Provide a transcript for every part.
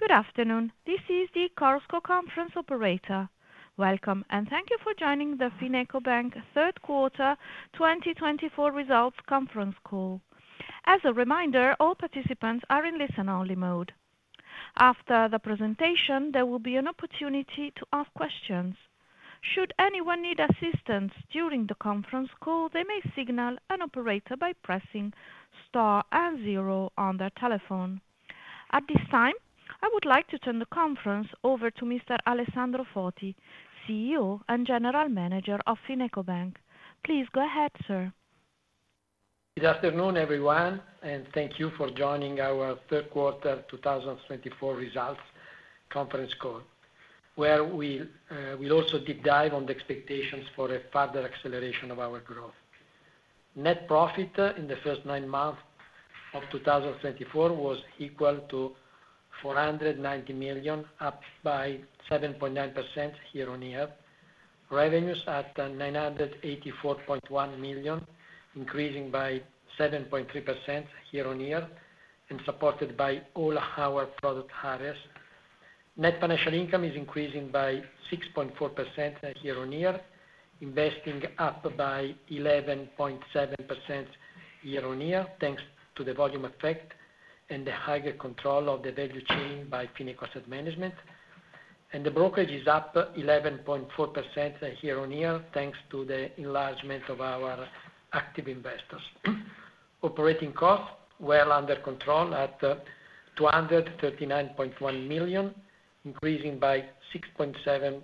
Good afternoon, this is the Chorus Call Conference Operator. Welcome and thank you for joining the FinecoBank Third Quarter 2024 Results Conference Call. As a reminder, all participants are in listen-only mode. After the presentation, there will be an opportunity to ask questions. Should anyone need assistance during the conference call, they may signal an operator by pressing star and zero on their telephone. At this time, I would like to turn the conference over to Mr. Alessandro Foti, CEO and General Manager of FinecoBank. Please go ahead, sir. Good afternoon, everyone, and thank you for joining our Third Quarter 2024 Results Conference Call, where we'll also deep dive on the expectations for a further acceleration of our growth. Net profit in the first nine months of 2024 was equal to €490 million, up by 7.9% year on year. Revenues at €984.1 million, increasing by 7.3% year on year, and supported by all our product areas. Net financial income is increasing by 6.4% year on year, investing up by 11.7% year on year, thanks to the volume effect and the higher control of the value chain by Fineco Asset Management, and the brokerage is up 11.4% year on year, thanks to the enlargement of our active investors. Operating costs were under control at €239.1 million, increasing by 6.7%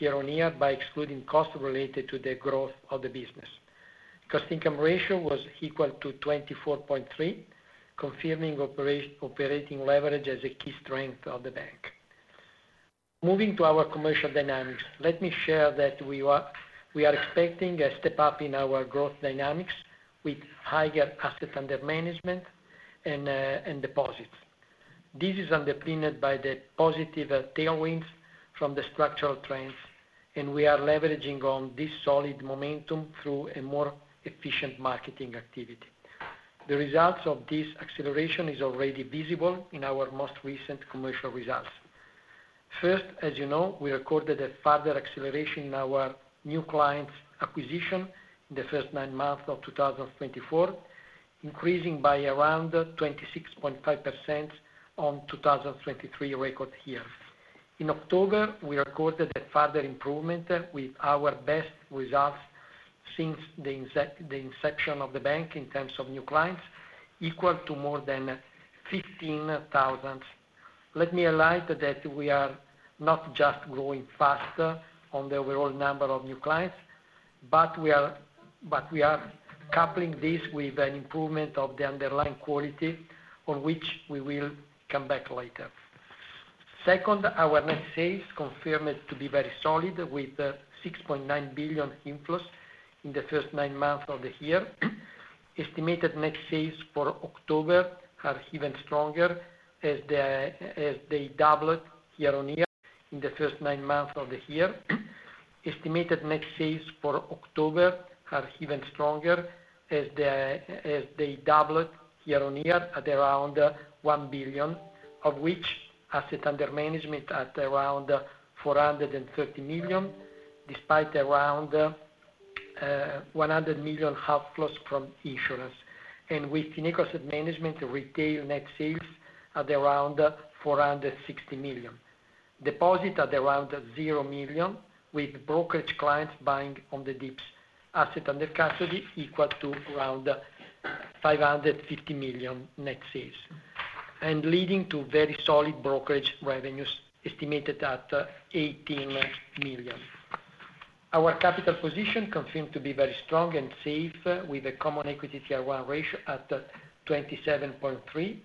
year on year by excluding costs related to the growth of the business. Cost-to-income ratio was equal to 24.3, confirming operating leverage as a key strength of the bank. Moving to our commercial dynamics, let me share that we are expecting a step up in our growth dynamics with higher asset under management and deposits. This is underpinned by the positive tailwinds from the structural trends, and we are leveraging on this solid momentum through a more efficient marketing activity. The results of this acceleration are already visible in our most recent commercial results. First, as you know, we recorded a further acceleration in our new clients' acquisition in the first nine months of 2024, increasing by around 26.5% on the 2023 record year. In October, we recorded a further improvement with our best results since the inception of the bank in terms of new clients, equal to more than 15,000. Let me highlight that we are not just growing faster on the overall number of new clients, but we are coupling this with an improvement of the underlying quality, on which we will come back later. Second, our net sales confirmed to be very solid with 6.9 billion inflows in the first nine months of the year. Estimated net sales for October are even stronger as they doubled year on year at around 1 billion, of which asset under management at around 430 million, despite around 100 million outflows from insurance. And with Fineco Asset Management, retail net sales at around 460 million. Deposit at around 0 million, with brokerage clients buying on the dips. Asset Under Custody equal to around €550 million net sales, and leading to very solid brokerage revenues estimated at €18 million. Our capital position confirmed to be very strong and safe, with a Common Equity Tier 1 ratio at 27.3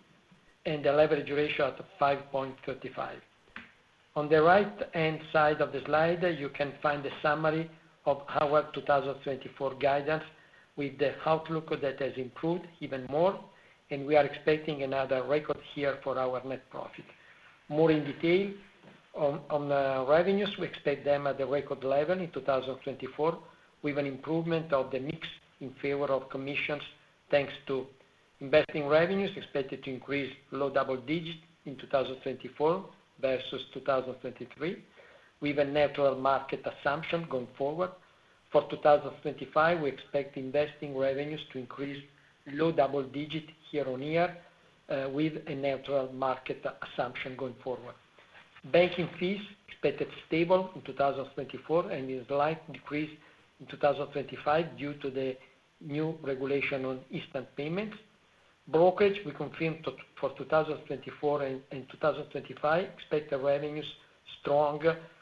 and a Leverage Ratio at 5.35. On the right-hand side of the slide, you can find the summary of our 2024 guidance, with the outlook that has improved even more, and we are expecting another record year for our net profit. More in detail on revenues, we expect them at the record level in 2024, with an improvement of the mix in favor of commissions, thanks to investing revenues expected to increase low double digits in 2024 versus 2023, with a natural market assumption going forward. For 2025, we expect investing revenues to increase low double digits year on year, with a natural market assumption going forward. Banking fees expected stable in 2024 and in slight decrease in 2025 due to the new regulation on instant payments. Brokerage, we confirmed for 2024 and 2025, expected revenues strong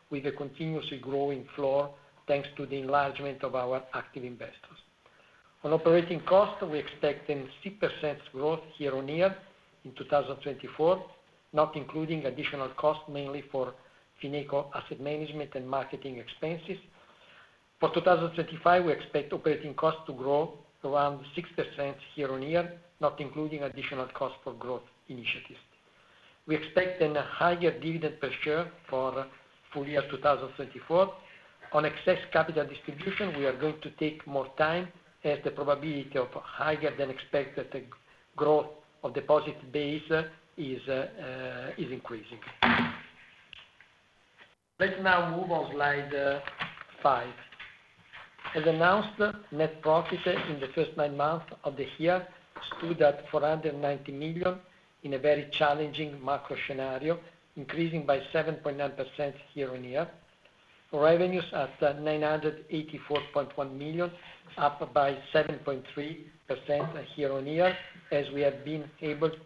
with a continuously growing floor, thanks to the enlargement of our active investors. On operating costs, we expect a 6% growth year on year in 2024, not including additional costs, mainly for Fineco Asset Management and marketing expenses. For 2025, we expect operating costs to grow around 6% year on year, not including additional costs for growth initiatives. We expect a higher dividend per share for full year 2024. On excess capital distribution, we are going to take more time as the probability of higher-than-expected growth of deposit base is increasing. Let's now move on to slide five. As announced, net profit in the first nine months of the year stood at 490 million in a very challenging macro scenario, increasing by 7.9% year on year. Revenues at 984.1 million, up by 7.3% year on year, as we have been able to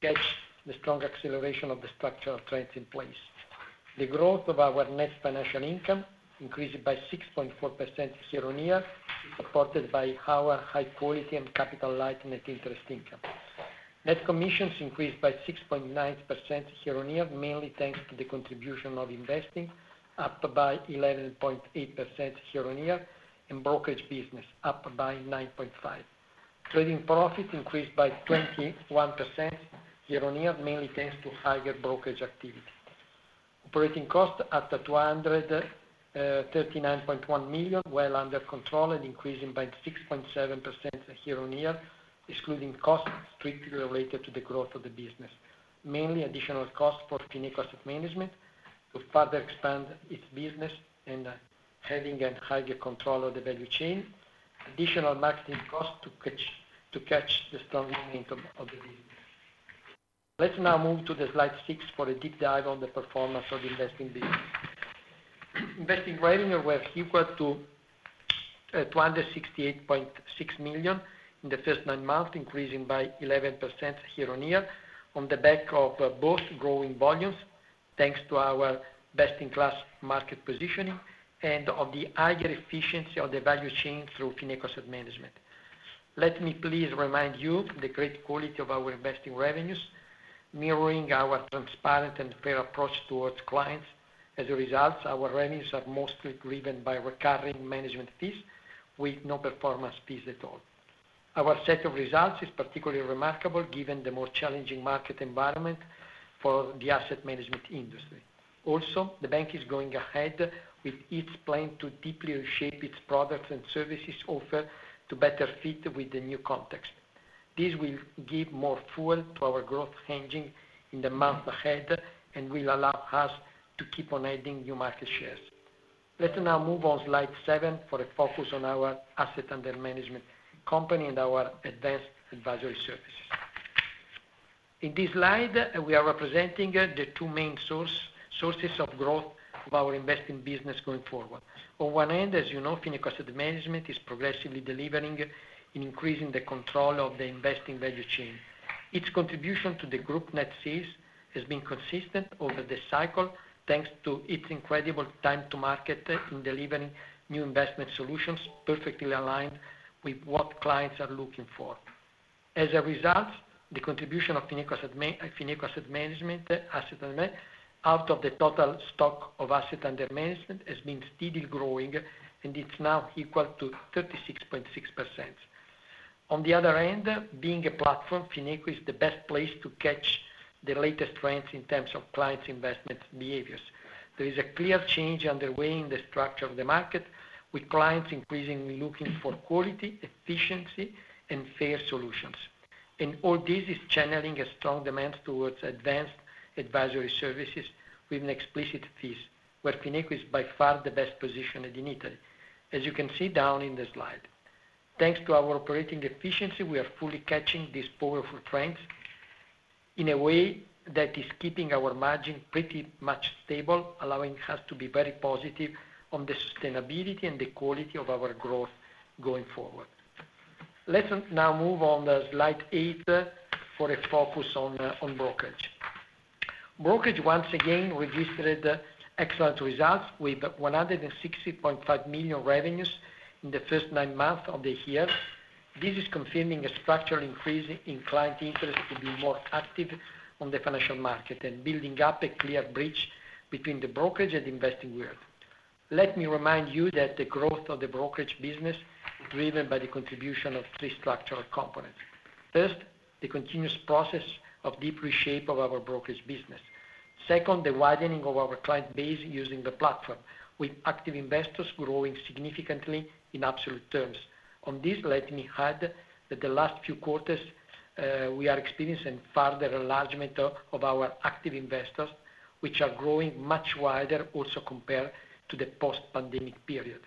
catch the strong acceleration of the structural trends in place. The growth of our net financial income increased by 6.4% year on year, supported by our high-quality and capital-light net interest income. Net commissions increased by 6.9% year on year, mainly thanks to the contribution of investing, up by 11.8% year on year, and brokerage business, up by 9.5%. Trading profit increased by 21% year on year, mainly thanks to higher brokerage activity. Operating costs at €239.1 million, well under control and increasing by 6.7% year on year, excluding costs strictly related to the growth of the business, mainly additional costs for Fineco Asset Management to further expand its business and having a higher control of the value chain. Additional marketing costs to catch the strong momentum of the business. Let's now move to slide six for a deep dive on the performance of the investing business. Investing revenues were equal to €268.6 million in the first nine months, increasing by 11% year on year, on the back of both growing volumes, thanks to our best-in-class market positioning, and of the higher efficiency of the value chain through Fineco Asset Management. Let me please remind you of the great quality of our investing revenues, mirroring our transparent and fair approach towards clients. As a result, our revenues are mostly driven by recurring management fees, with no performance fees at all. Our set of results is particularly remarkable given the more challenging market environment for the asset management industry. Also, the bank is going ahead with its plan to deeply reshape its products and services offer to better fit with the new context. This will give more fuel to our growth hinging in the months ahead and will allow us to keep on adding new market shares. Let's now move on to slide seven for a focus on our asset management company and our advanced advisory services. In this slide, we are representing the two main sources of growth of our investing business going forward. On one end, as you know, Fineco Asset Management is progressively delivering and increasing the control of the investing value chain. Its contribution to the group net sales has been consistent over the cycle, thanks to its incredible time-to-market in delivering new investment solutions perfectly aligned with what clients are looking for. As a result, the contribution of Fineco Asset Management assets out of the total stock of assets under management has been steadily growing, and it's now equal to 36.6%. On the other end, being a platform, Fineco is the best place to catch the latest trends in terms of clients' investment behaviors. There is a clear change underway in the structure of the market, with clients increasingly looking for quality, efficiency, and fair solutions. And all this is channeling a strong demand towards advanced advisory services with explicit fees, where Fineco is by far the best positioned in Italy, as you can see down in the slide. Thanks to our operating efficiency, we are fully catching these powerful trends in a way that is keeping our margin pretty much stable, allowing us to be very positive on the sustainability and the quality of our growth going forward. Let's now move on to slide eight for a focus on brokerage. Brokerage, once again, registered excellent results with 160.5 million revenues in the first nine months of the year. This is confirming a structural increase in client interest to be more active on the financial market and building up a clear bridge between the brokerage and investing world. Let me remind you that the growth of the brokerage business is driven by the contribution of three structural components. First, the continuous process of deep reshape of our brokerage business. Second, the widening of our client base using the platform, with active investors growing significantly in absolute terms. On this, let me add that the last few quarters, we are experiencing further enlargement of our active investors, which are growing much wider also compared to the post-pandemic period.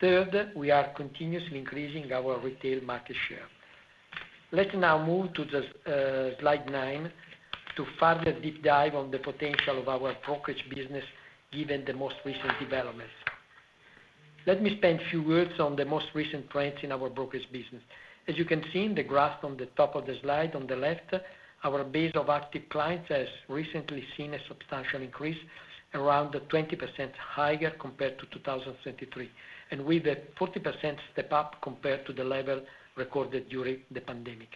Third, we are continuously increasing our retail market share. Let's now move to slide nine to further deep dive on the potential of our brokerage business given the most recent developments. Let me spend a few words on the most recent trends in our brokerage business. As you can see in the graph on the top of the slide on the left, our base of active clients has recently seen a substantial increase, around 20% higher compared to 2023, and with a 40% step up compared to the level recorded during the pandemic.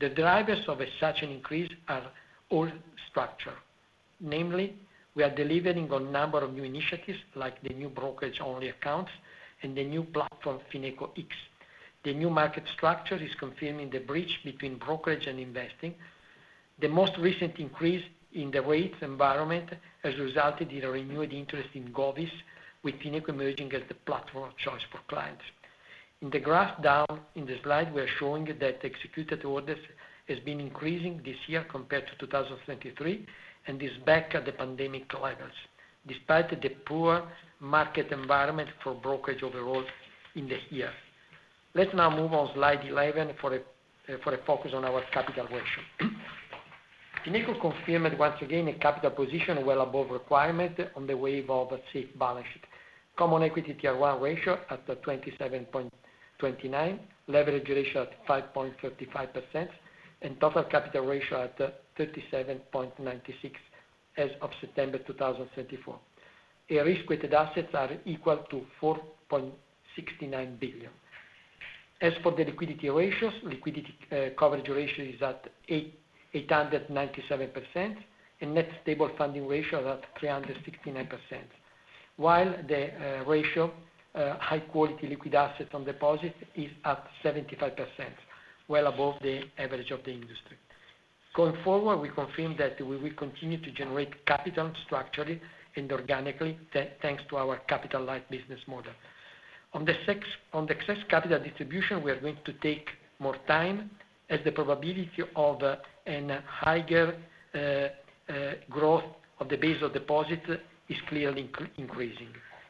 The drivers of such an increase are all structural. Namely, we are delivering on a number of new initiatives like the new brokerage-only accounts and the new platform FinecoX. The new market structure is confirming the bridge between brokerage and investing. The most recent increase in the rates environment has resulted in a renewed interest in govies, with Fineco emerging as the platform of choice for clients. In the graph down in the slide, we are showing that executed orders have been increasing this year compared to 2023, and this is back at the pandemic levels, despite the poor market environment for brokerage overall in the year. Let's now move on to slide 11 for a focus on our capital ratio. Fineco confirmed, once again, a capital position well above requirement on the way of a safe balance sheet. Common Equity Tier 1 ratio at 27.29%, leverage ratio at 5.35%, and total capital ratio at 37.96% as of September 2024. Our risk-weighted assets are equal to €4.69 billion. As for the liquidity ratios, liquidity coverage ratio is at 897%, and net stable funding ratio is at 369%, while the ratio high-quality liquid assets on deposit is at 75%, well above the average of the industry. Going forward, we confirm that we will continue to generate capital structurally and organically, thanks to our capital-light business model. On the excess capital distribution, we are going to take more time as the probability of a higher growth of the base of deposit is clearly increasing,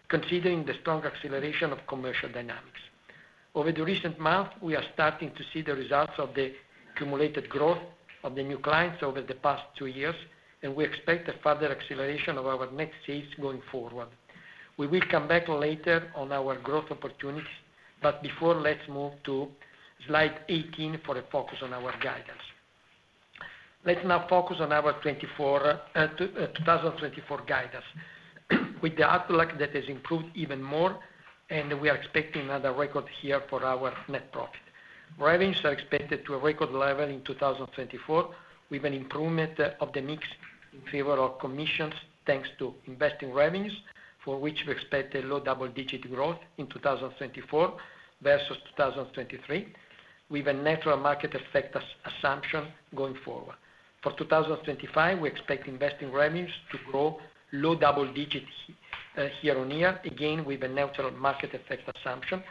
considering the strong acceleration of commercial dynamics. Over the recent months, we are starting to see the results of the cumulated growth of the new clients over the past two years, and we expect a further acceleration of our net sales going forward. We will come back later on our growth opportunities, but before, let's move to slide 18 for a focus on our guidance. Let's now focus on our 2024 guidance, with the outlook that has improved even more, and we are expecting another record year for our net profit. Revenues are expected to a record level in 2024, with an improvement of the mix in favor of commissions, thanks to investing revenues, for which we expect a low double-digit growth in 2024 versus 2023, with a natural market effect assumption going forward. For 2025, we expect investing revenues to grow low double digits year on year, again with a natural market effect assumption.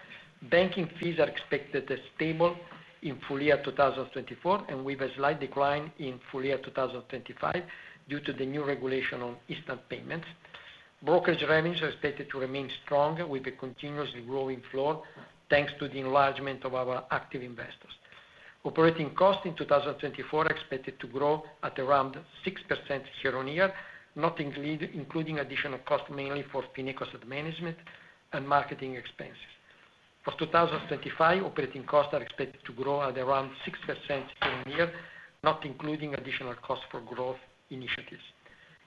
Banking fees are expected to be stable in full year 2024, and we have a slight decline in full year 2025 due to the new regulation on instant payments. Brokerage revenues are expected to remain strong with a continuously growing floor, thanks to the enlargement of our active investors. Operating costs in 2024 are expected to grow at around 6% year on year, not including additional costs mainly for Fineco Asset Management and marketing expenses. For 2025, operating costs are expected to grow at around 6% year on year, not including additional costs for growth initiatives.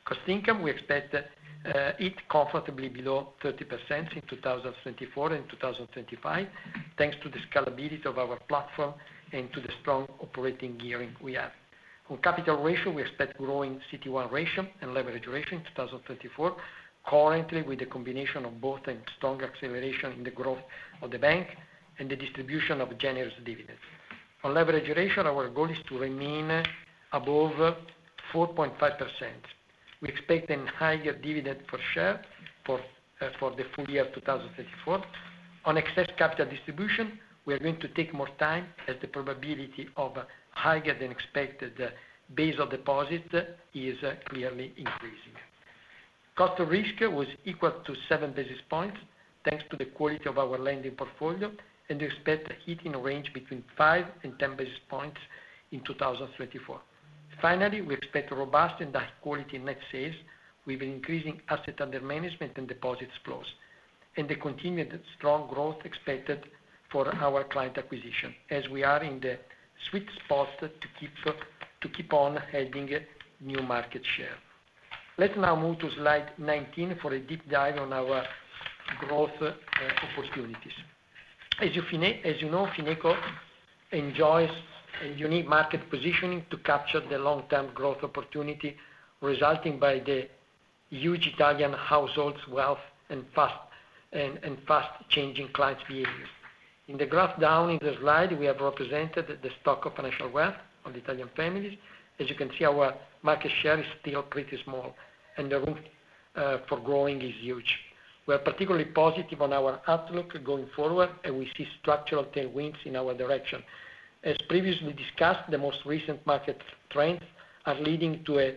Cost income, we expect it comfortably below 30% in 2024 and 2025, thanks to the scalability of our platform and to the strong operating gearing we have. On capital ratio, we expect growing CET1 ratio and leverage ratio in 2024, currently with a combination of both and strong acceleration in the growth of the bank and the distribution of generous dividends. On leverage ratio, our goal is to remain above 4.5%. We expect a higher dividend per share for the full year 2024. On excess capital distribution, we are going to take more time as the probability of a higher-than-expected base of deposit is clearly increasing. Cost of risk was equal to 7 basis points, thanks to the quality of our lending portfolio, and we expect a range between 5 and 10 basis points in 2024. Finally, we expect robust and high-quality net sales with increasing asset under management and deposits flows, and the continued strong growth expected for our client acquisition, as we are in the sweet spot to keep on adding new market share. Let's now move to slide 19 for a deep dive on our growth opportunities. As you know, Fineco enjoys a unique market positioning to capture the long-term growth opportunity resulting by the huge Italian households' wealth and fast-changing clients' behavior. In the graph down in the slide, we have represented the stock of financial wealth of the Italian families. As you can see, our market share is still pretty small, and the room for growing is huge. We are particularly positive on our outlook going forward, and we see structural tailwinds in our direction. As previously discussed, the most recent market trends are leading to a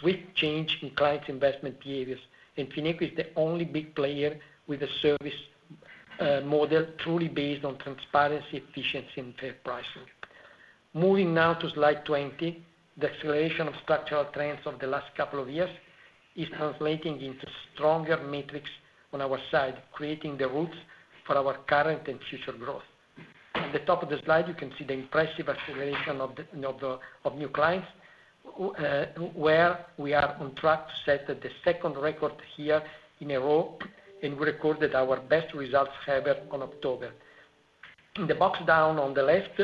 swift change in clients' investment behaviors, and Fineco is the only big player with a service model truly based on transparency, efficiency, and fair pricing. Moving now to slide 20, the acceleration of structural trends of the last couple of years is translating into stronger metrics on our side, creating the roots for our current and future growth. At the top of the slide, you can see the impressive acceleration of new clients, where we are on track to set the second record here in a row, and we recorded our best results ever on October. In the box down on the left,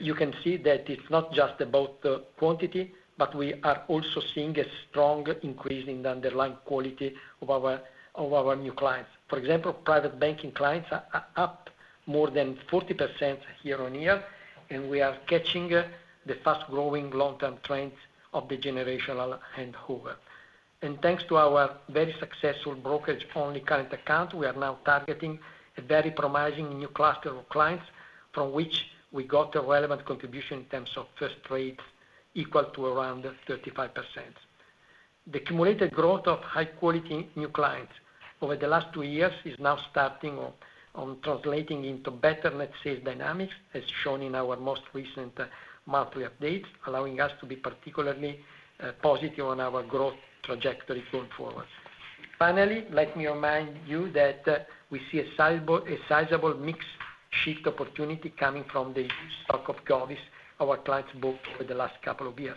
you can see that it's not just about quantity, but we are also seeing a strong increase in the underlying quality of our new clients. For example, private banking clients are up more than 40% year on year, and we are catching the fast-growing long-term trends of the generational handover. Thanks to our very successful Brokerage-Only Current Account, we are now targeting a very promising new cluster of clients from which we got a relevant contribution in terms of fee rate equal to around 35%. The cumulative growth of high-quality new clients over the last two years is now starting to translate into better net sales dynamics, as shown in our most recent monthly updates, allowing us to be particularly positive on our growth trajectory going forward. Finally, let me remind you that we see a sizable mix shift opportunity coming from the stock of govies our clients booked over the last couple of years,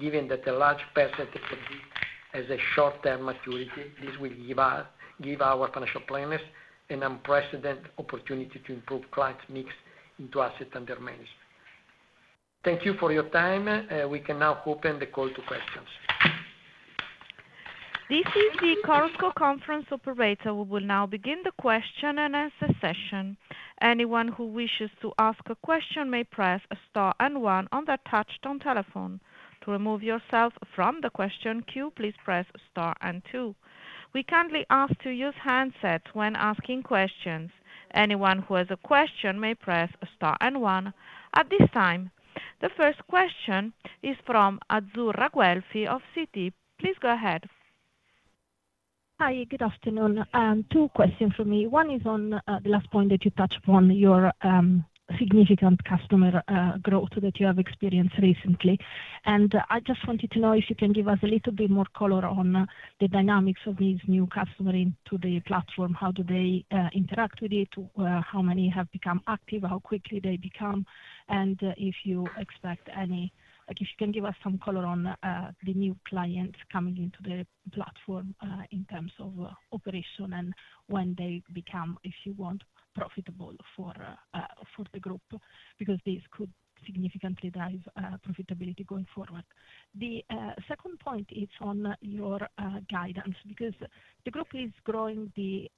given that a large percentage of this has a short-term maturity. This will give our financial planners an unprecedented opportunity to improve clients' mix into asset under management. Thank you for your time. We can now open the call to questions. This is the Chorus Call Conference Operator. We will now begin the question and answer session. Anyone who wishes to ask a question may press star and one on their touch-tone telephone. To remove yourself from the question queue, please press star and two. We kindly ask to use handsets when asking questions. Anyone who has a question may press star and one. At this time, the first question is from Azzurra Guelfi of Citi. Please go ahead. Hi, good afternoon. Two questions for me. One is on the last point that you touched upon, your significant customer growth that you have experienced recently. And I just wanted to know if you can give us a little bit more color on the dynamics of these new customers into the platform. How do they interact with it? How many have become active? How quickly do they become? If you can give us some color on the new clients coming into the platform in terms of operation and when they become, if you want, profitable for the group, because this could significantly drive profitability going forward. The second point is on your guidance, because the group is growing the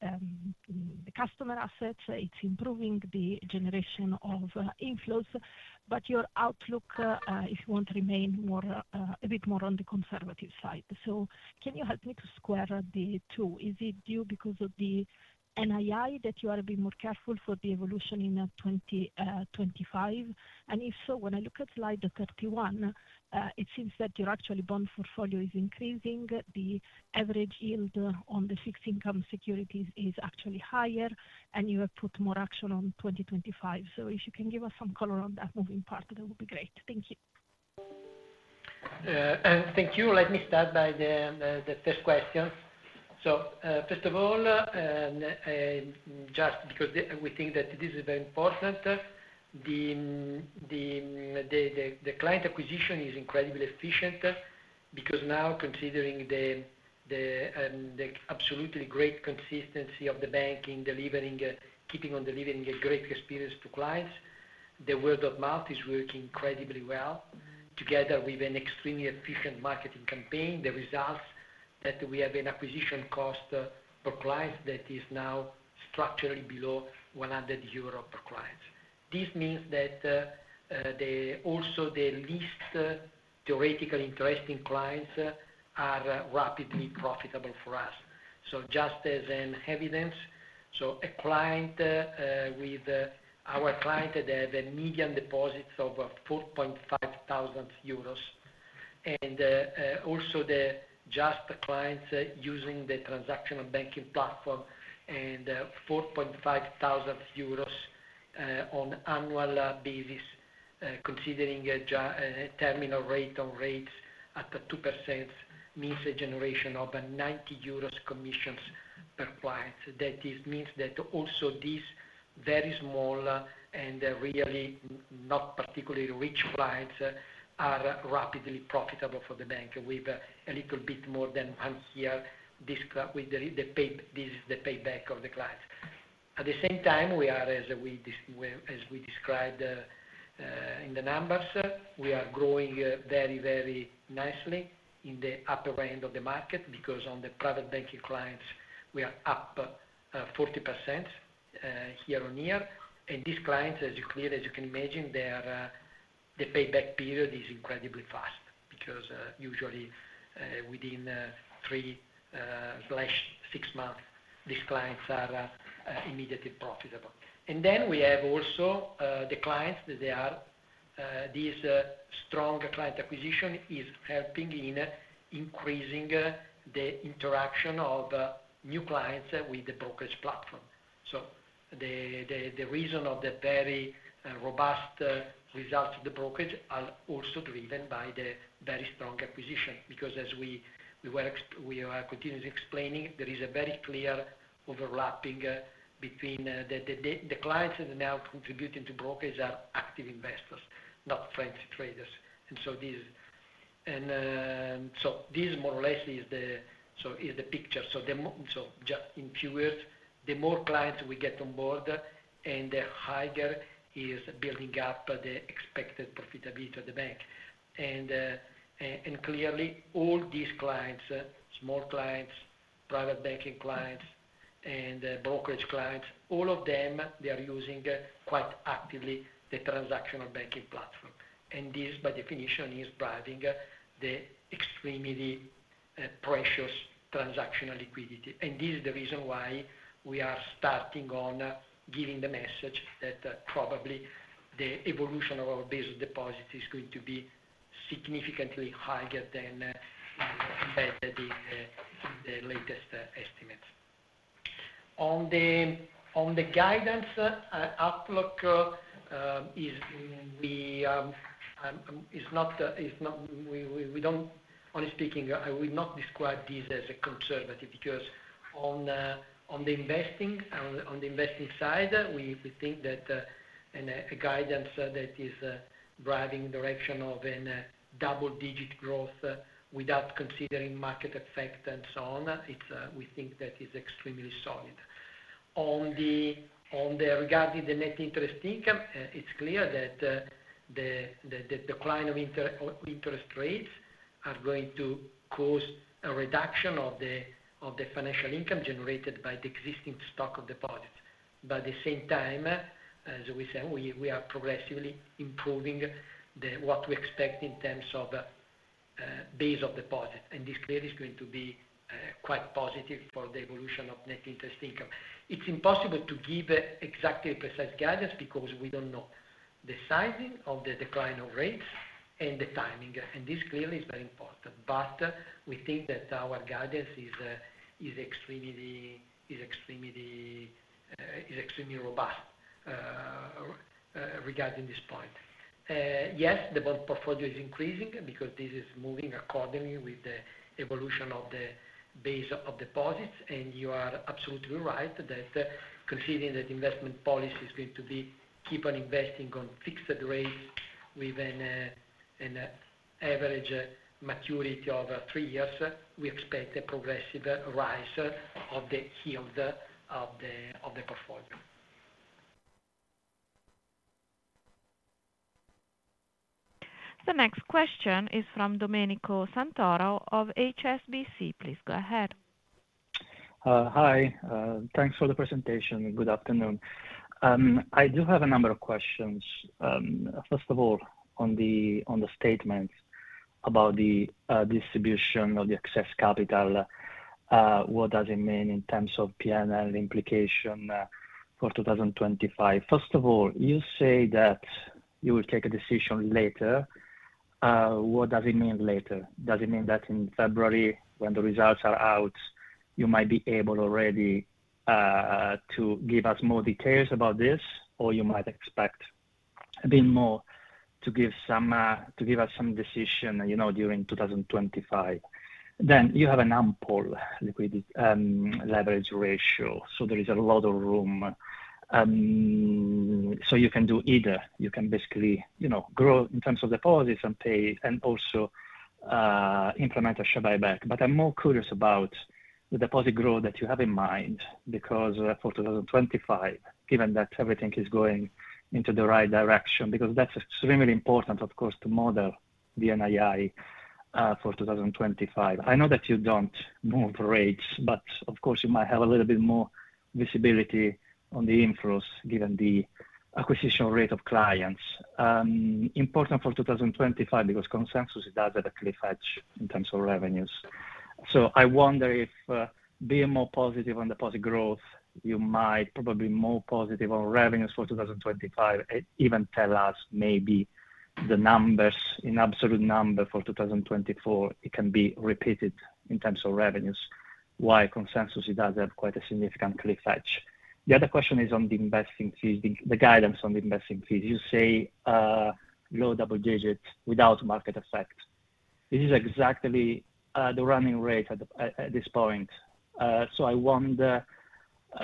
customer assets, it's improving the generation of inflows, but your outlook, if you want, remains a bit more on the conservative side. Can you help me to square the two? Is it due because of the NII that you are a bit more careful for the evolution in 2025? And if so, when I look at slide 31, it seems that your bond portfolio is actually increasing, the average yield on the fixed income securities is actually higher, and you have put more action on 2025. So if you can give us some color on that moving part, that would be great. Thank you. And thank you. Let me start by the first question. So first of all, just because we think that this is very important, the client acquisition is incredibly efficient because now, considering the absolutely great consistency of the bank in delivering, keeping on delivering a great experience to clients, the word of mouth is working incredibly well together with an extremely efficient marketing campaign. The results that we have in acquisition cost per client, that is now structurally below 100 euro per client. This means that also the least theoretically interesting clients are rapidly profitable for us. Just as evidence, a client with our client that has a median deposit of 4,500 euros, and also the just clients using the transactional banking platform and 4,500 euros on annual basis, considering a terminal rate on rates at 2%, means a generation of 90 euros commissions per client. That means that also these very small and really not particularly rich clients are rapidly profitable for the bank with a little bit more than one year with the payback of the clients. At the same time, we are, as we described in the numbers, we are growing very, very nicely in the upper end of the market because on the private banking clients, we are up 40% year on year, and these clients, as you can imagine, their payback period is incredibly fast because usually within three/six months, these clients are immediately profitable. And then we have also the clients that they are. This strong client acquisition is helping in increasing the interaction of new clients with the brokerage platform. So the reason of the very robust results of the brokerage are also driven by the very strong acquisition because, as we were continuously explaining, there is a very clear overlapping between the clients. And now contributing to brokerage are active investors, not frequency traders. And so this more or less is the picture. So just in few words, the more clients we get on board, and the higher is building up the expected profitability of the bank. And clearly, all these clients, small clients, private banking clients, and brokerage clients, all of them, they are using quite actively the transactional banking platform. And this, by definition, is driving the extremely precious transactional liquidity. This is the reason why we are starting to give the message that probably the evolution of our base of deposit is going to be significantly higher than embedded in the latest estimates. On the guidance, our outlook is not honestly speaking, I would not describe this as conservative because on the investing side, we think that a guidance that is driving the direction of a double-digit growth without considering market effect and so on, we think that is extremely solid. Regarding the net interest income, it's clear that the decline of interest rates are going to cause a reduction of the financial income generated by the existing stock of deposits. At the same time, as we said, we are progressively improving what we expect in terms of base of deposit. And this clearly is going to be quite positive for the evolution of net interest income. It's impossible to give exactly precise guidance because we don't know the sizing of the decline of rates and the timing. And this clearly is very important. But we think that our guidance is extremely robust regarding this point. Yes, the bond portfolio is increasing because this is moving accordingly with the evolution of the base of deposits. And you are absolutely right that considering that investment policy is going to be keep on investing on fixed rates with an average maturity of three years, we expect a progressive rise of the yield of the portfolio. The next question is from Domenico Santoro of HSBC. Please go ahead. Hi. Thanks for the presentation. Good afternoon. I do have a number of questions. First of all, on the statements about the distribution of the excess capital, what does it mean in terms of P&L implication for 2025? First of all, you say that you will take a decision later. What does it mean later? Does it mean that in February, when the results are out, you might be able already to give us more details about this, or you might expect a bit more to give us some decision during 2025? Then you have an ample leverage ratio, so there is a lot of room. So you can do either. You can basically grow in terms of deposits and pay. And also implement a share buyback. But I'm more curious about the deposit growth that you have in mind because for 2025, given that everything is going into the right direction, because that's extremely important, of course, to model the NII for 2025. I know that you don't move rates, but of course, you might have a little bit more visibility on the inflows given the acquisition rate of clients. Important for 2025 because consensus is absolutely stretched in terms of revenues. So I wonder if being more positive on deposit growth, you might probably be more positive on revenues for 2025, even tell us maybe the numbers in absolute number for 2024. It can be repeated in terms of revenues. Why consensus does have quite a significant catch-up. The other question is on the investing fees, the guidance on the investing fees. You say low double digits without market effect. This is exactly the running rate at this point. So I wonder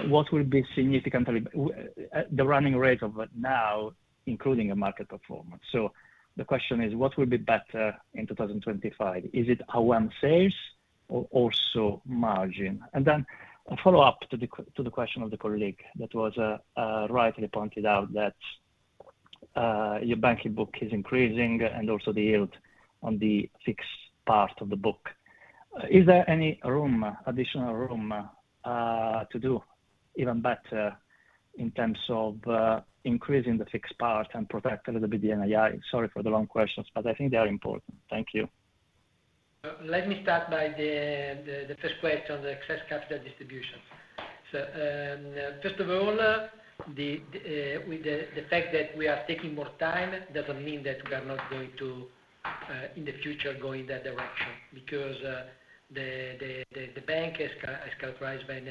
what will be significantly the running rate of now, including a market performance. So the question is, what will be better in 2025? Is it OM sales or also margin? And then a follow-up to the question of the colleague that was rightly pointed out that your banking book is increasing and also the yield on the fixed part of the book. Is there any room, additional room to do even better in terms of increasing the fixed part and protect a little bit the NII? Sorry for the long questions, but I think they are important. Thank you. Let me start by the first question, the excess capital distribution. So first of all, the fact that we are taking more time doesn't mean that we are not going to, in the future, go in that direction because the bank is characterized by an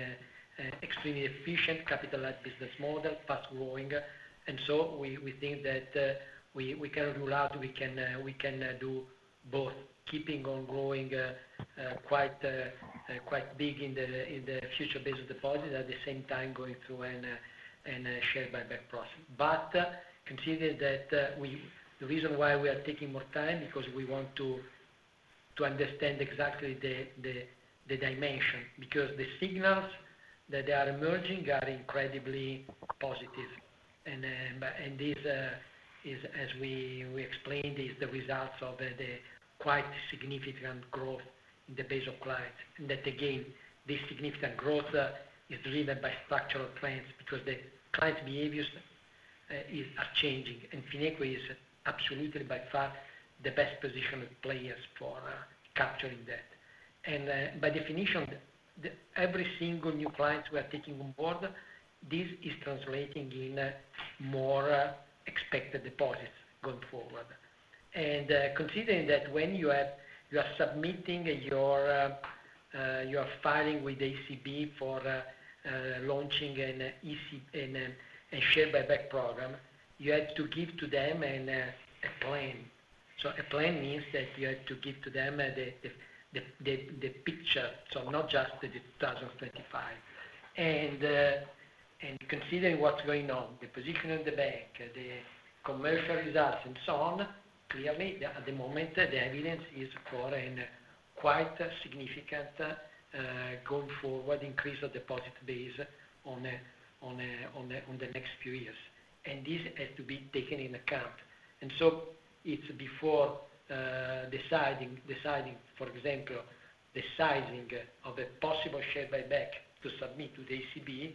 extremely efficient capital-led business model, fast-growing. And so we think that we can rule out we can do both, keeping on growing quite big in the future base of deposit and at the same time going through a share buyback process. But considering that the reason why we are taking more time is because we want to understand exactly the dimension because the signals that are emerging are incredibly positive. And as we explained, these are the results of the quite significant growth in the base of clients. And that, again, this significant growth is driven by structural trends because the client's behaviors are changing. And Fineco is absolutely, by far, the best positioned players for capturing that. And by definition, every single new client we are taking on board, this is translating in more expected deposits going forward. And considering that when you are submitting your filing with ECB for launching a share buyback program, you have to give to them a plan. So a plan means that you have to give to them the picture, so not just the 2025. And considering what's going on, the position of the bank, the commercial results, and so on, clearly, at the moment, the evidence is for a quite significant going forward increase of deposit base on the next few years. And this has to be taken into account. And so before deciding, for example, the sizing of a possible share buyback to submit to the ECB,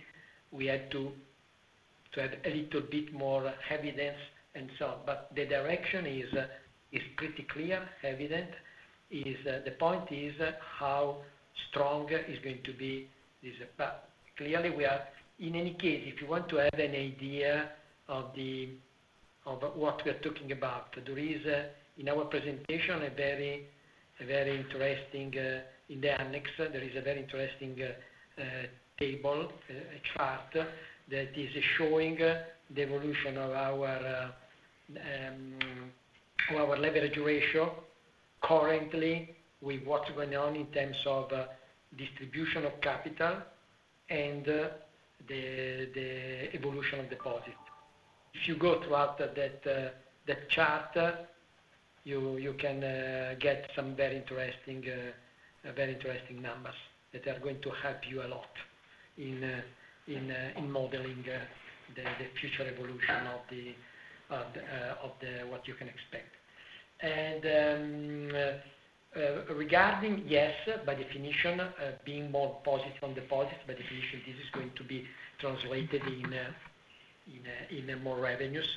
we have to have a little bit more evidence and so on. But the direction is pretty clear, evident. The point is how strong is going to be this. But clearly, we are. In any case, if you want to have an idea of what we are talking about, there is, in our presentation, a very interesting table in the annex, a chart that is showing the evolution of our leverage ratio currently with what's going on in terms of distribution of capital and the evolution of deposit. If you go through that chart, you can get some very interesting numbers that are going to help you a lot in modeling the future evolution of what you can expect. And regarding, yes, by definition, being more positive on deposits, by definition, this is going to be translated in more revenues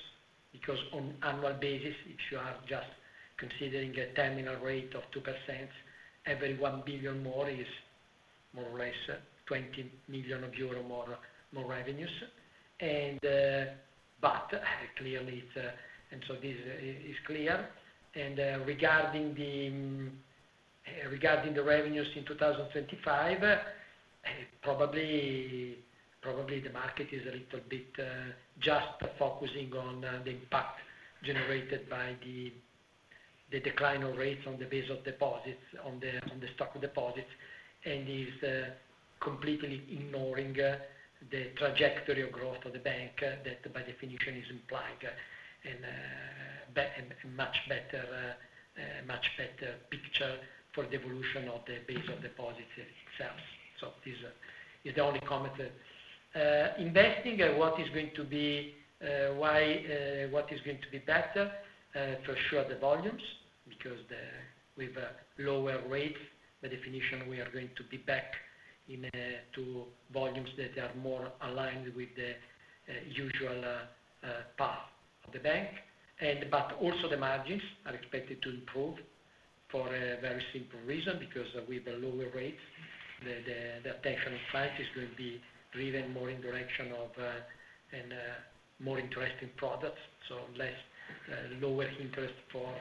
because on annual basis, if you are just considering a terminal rate of 2%, every €1 billion more is more or less €20 million more revenues. But clearly, and so this is clear. Regarding the revenues in 2025, probably the market is a little bit just focusing on the impact generated by the decline of rates on the base of deposits, on the stock of deposits, and is completely ignoring the trajectory of growth of the bank that, by definition, is implied. A much better picture for the evolution of the base of deposits itself. This is the only comment. Investing, what is going to be better? For sure, the volumes because with lower rates, by definition, we are going to be back to volumes that are more aligned with the usual path of the bank. Also the margins are expected to improve for a very simple reason because with the lower rates, the attention of clients is going to be driven more in the direction of more interesting products. So lower interest for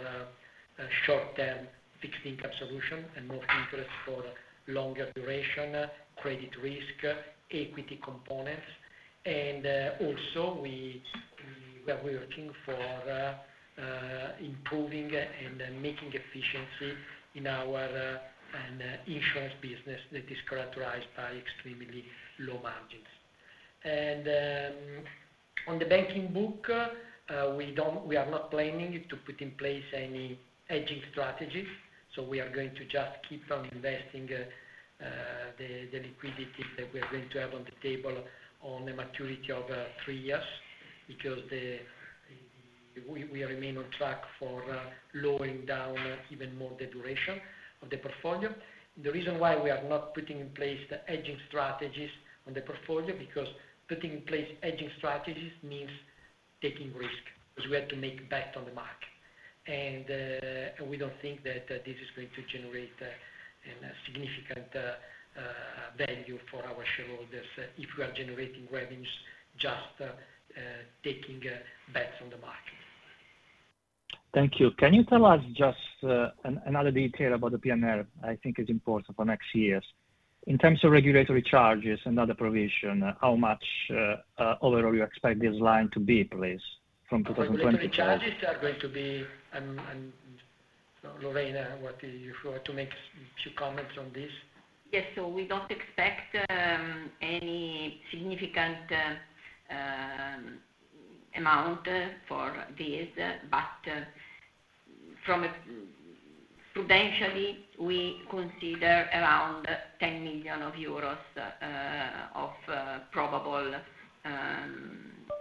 short-term fixed income solutions and more interest for longer duration, credit risk, equity components. And also, we are working for improving and making efficiency in our insurance business that is characterized by extremely low margins. And on the banking book, we are not planning to put in place any hedging strategy. So we are going to just keep on investing the liquidity that we are going to have on the table on a maturity of three years because we remain on track for lowering down even more the duration of the portfolio. The reason why we are not putting in place the hedging strategies on the portfolio is because putting in place hedging strategies means taking risk because we have to make bets on the market. And we don't think that this is going to generate a significant value for our shareholders if we are generating revenues just taking bets on the market. Thank you. Can you tell us just another detail about the P&L? I think it's important for next years. In terms of regulatory charges and other provision, how much overall you expect this line to be, please, from 2020 to now? Regulatory charges are going to be Lorena if you want to make a few comments on this. Yes. So we don't expect any significant amount for this. But from a prudentially, we consider around €10 million of probable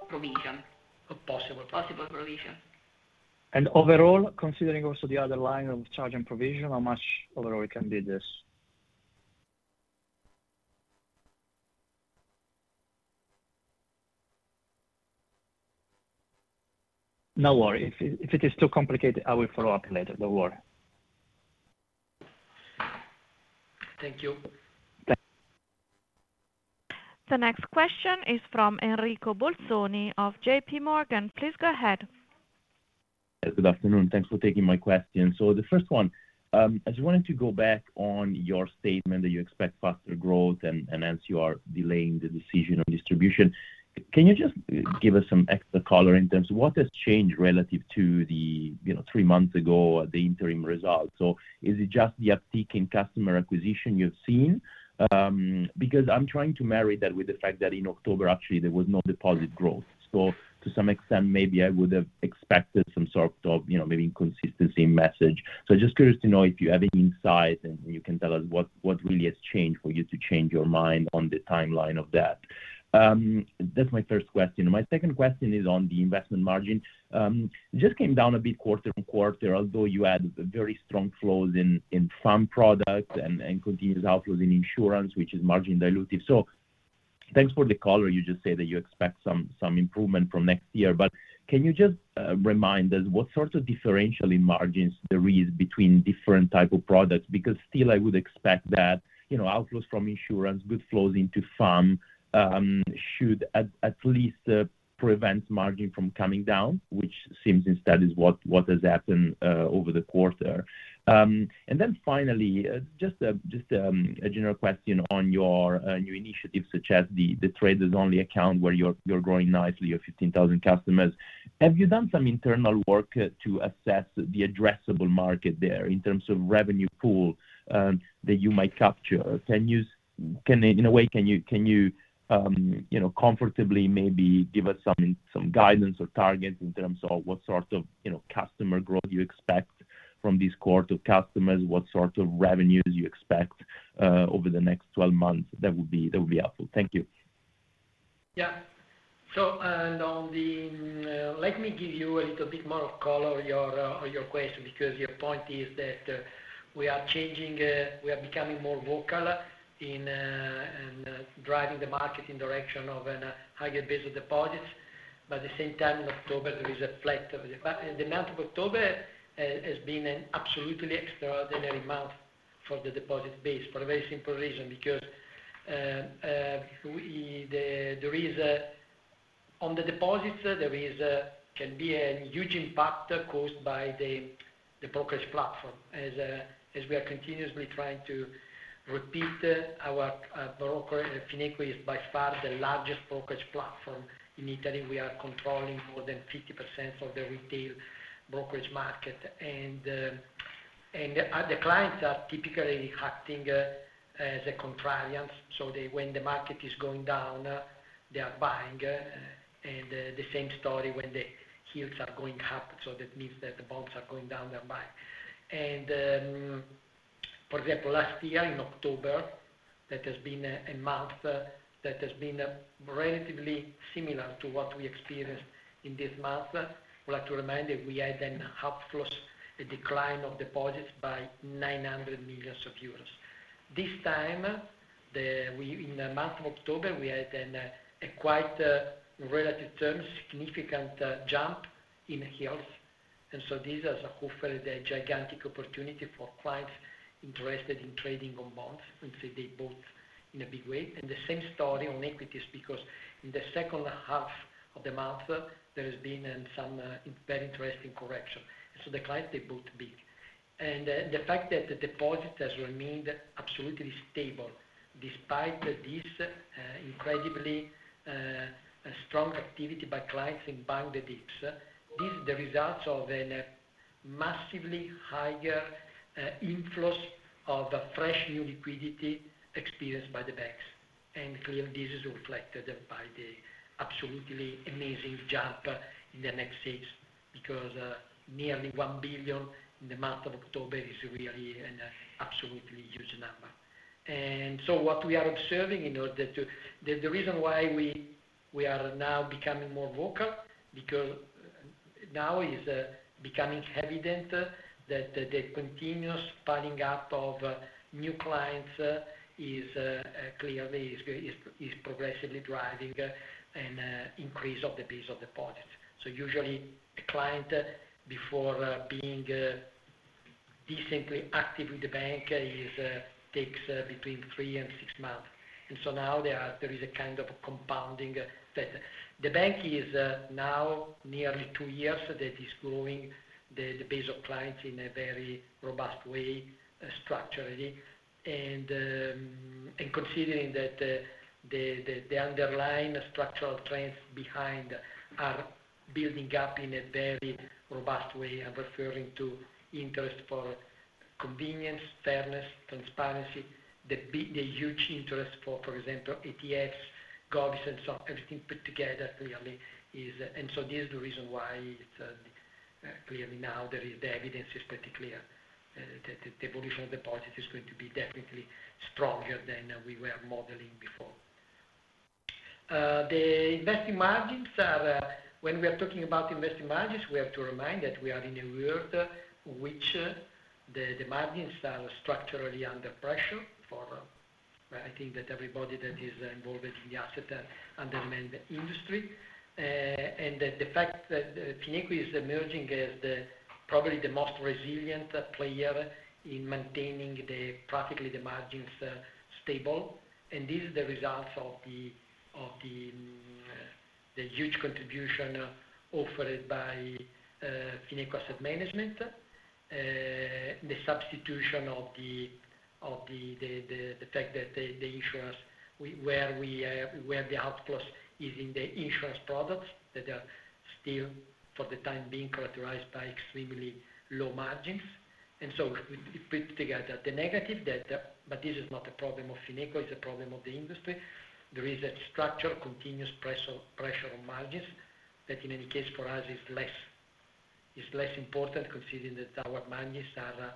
provision. Possible provision. And overall, considering also the other line of charging provision, how much overall can be this? No worries. If it is too complicated, I will follow up later. Don't worry. Thank you. The next question is from Enrico Bolzoni of JPMorgan. Please go ahead. Good afternoon. Thanks for taking my question. So the first one, I just wanted to go back on your statement that you expect faster growth and hence you are delaying the decision on distribution. Can you just give us some extra color in terms of what has changed relative to three months ago at the interim result? So is it just the uptick in customer acquisition you've seen? Because I'm trying to marry that with the fact that in October, actually, there was no deposit growth. So to some extent, maybe I would have expected some sort of maybe inconsistency in message. So I'm just curious to know if you have any insight and you can tell us what really has changed for you to change your mind on the timeline of that. That's my first question. My second question is on the investment margin. It just came down a bit quarter on quarter, although you had very strong flows in some products and continuous outflows in insurance, which is margin dilutive, so thanks for the color. You just said that you expect some improvement from next year, but can you just remind us what sort of differential in margins there is between different types of products? Because still, I would expect that outflows from insurance, good flows into funds should at least prevent margin from coming down, which seems instead is what has happened over the quarter, and then finally, just a general question on your new initiatives such as the brokerage-only account where you're growing nicely, your 15,000 customers. Have you done some internal work to assess the addressable market there in terms of revenue pool that you might capture? In a way, can you comfortably maybe give us some guidance or targets in terms of what sort of customer growth you expect from these quarter customers, what sort of revenues you expect over the next 12 months? That would be helpful. Thank you. Yeah. So let me give you a little bit more color on your question because your point is that we are changing, we are becoming more vocal in driving the market in the direction of a higher base of deposits. But at the same time, in October, there is a flat. The month of October has been an absolutely extraordinary month for the deposit base for a very simple reason because on the deposits, there can be a huge impact caused by the brokerage platform. As we are continuously trying to repeat, Fineco is by far the largest brokerage platform in Italy. We are controlling more than 50% of the retail brokerage market, and the clients are typically acting as a contrarian, so when the market is going down, they are buying, and the same story when the yields are going up, so that means that the bonds are going down, they're buying, and for example, last year in October, that has been a month relatively similar to what we experienced in this month. I'd like to remind you we had outflows, a decline of deposits by 900 million euros. This time, in the month of October, we had a quite, in relative terms, significant jump in yields, and so this has offered a gigantic opportunity for clients interested in trading on bonds, and so they bought in a big way. The same story on equities because in the second half of the month, there has been some very interesting correction. And so the clients, they bought big. And the fact that the deposit has remained absolutely stable despite this incredibly strong activity by clients in buying the dips, this is the result of a massively higher inflows of fresh new liquidity experienced by the banks. And clearly, this is reflected by the absolutely amazing jump in the AUC because nearly 1 billion in the month of October is really an absolutely huge number. And so what we are observing in order to the reason why we are now becoming more vocal because now it is becoming evident that the continuous piling up of new clients is clearly progressively driving an increase of the base of deposits. So usually, a client before being decently active with the bank takes between three and six months. And so now there is a kind of compounding that the bank is now nearly two years that is growing the base of clients in a very robust way structurally. And considering that the underlying structural trends behind are building up in a very robust way, I'm referring to interest for convenience, fairness, transparency, the huge interest for, for example, ETFs, govie, and so everything put together clearly is. And so this is the reason why clearly now the evidence is pretty clear that the evolution of deposits is going to be definitely stronger than we were modeling before. The investing margins are. When we are talking about investing margins, we have to remember that we are in a world which the margins are structurally under pressure for I think that everybody that is involved in the asset management industry. The fact that Fineco is emerging as probably the most resilient player in maintaining practically the margins stable. And this is the result of the huge contribution offered by Fineco Asset Management, the substitution of the fact that the insurance where the outflows is in the insurance products that are still for the time being characterized by extremely low margins. And so we put together the negative that but this is not a problem of Fineco, it's a problem of the industry. There is a structural continuous pressure on margins that in any case for us is less important considering that our margins are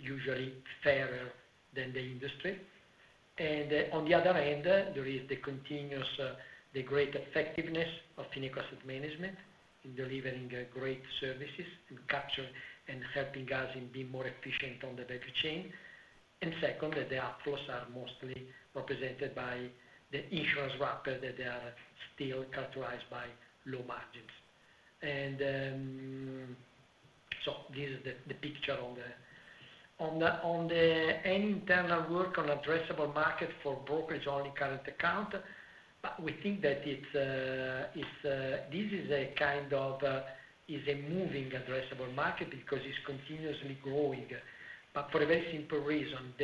usually fatter than the industry. On the other end, there is the continuous great effectiveness of Fineco Asset Management in delivering great services and helping us in being more efficient on the value chain. Second, that the outflows are mostly represented by the insurance wrapper that they are still characterized by low margins. So this is the picture on the ongoing internal work on addressable market for brokerage-only current account. We think that this is a kind of moving addressable market because it's continuously growing. For a very simple reason.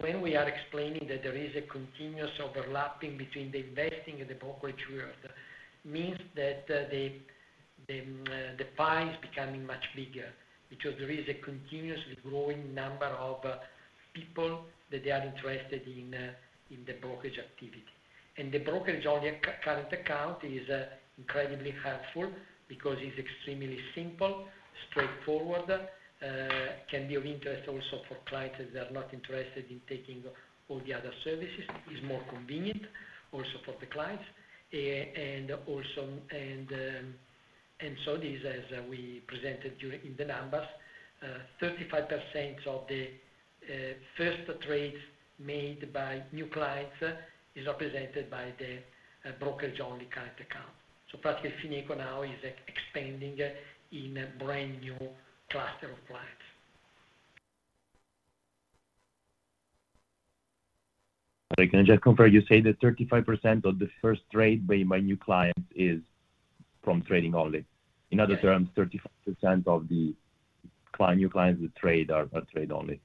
When we are explaining that there is a continuous overlapping between the investing and the brokerage world, it means that the pie is becoming much bigger because there is a continuously growing number of people that they are interested in the brokerage activity. And the brokerage-only current account is incredibly helpful because it's extremely simple, straightforward, can be of interest also for clients that are not interested in taking all the other services. It's more convenient also for the clients. And so this, as we presented in the numbers, 35% of the first trades made by new clients is represented by the brokerage-only current account. So practically, Fineco now is expanding in a brand new cluster of clients. Can I just confirm? You said that 35% of the first trade by new clients is from trading only. In other terms, 35% of the new clients that trade are trade-only.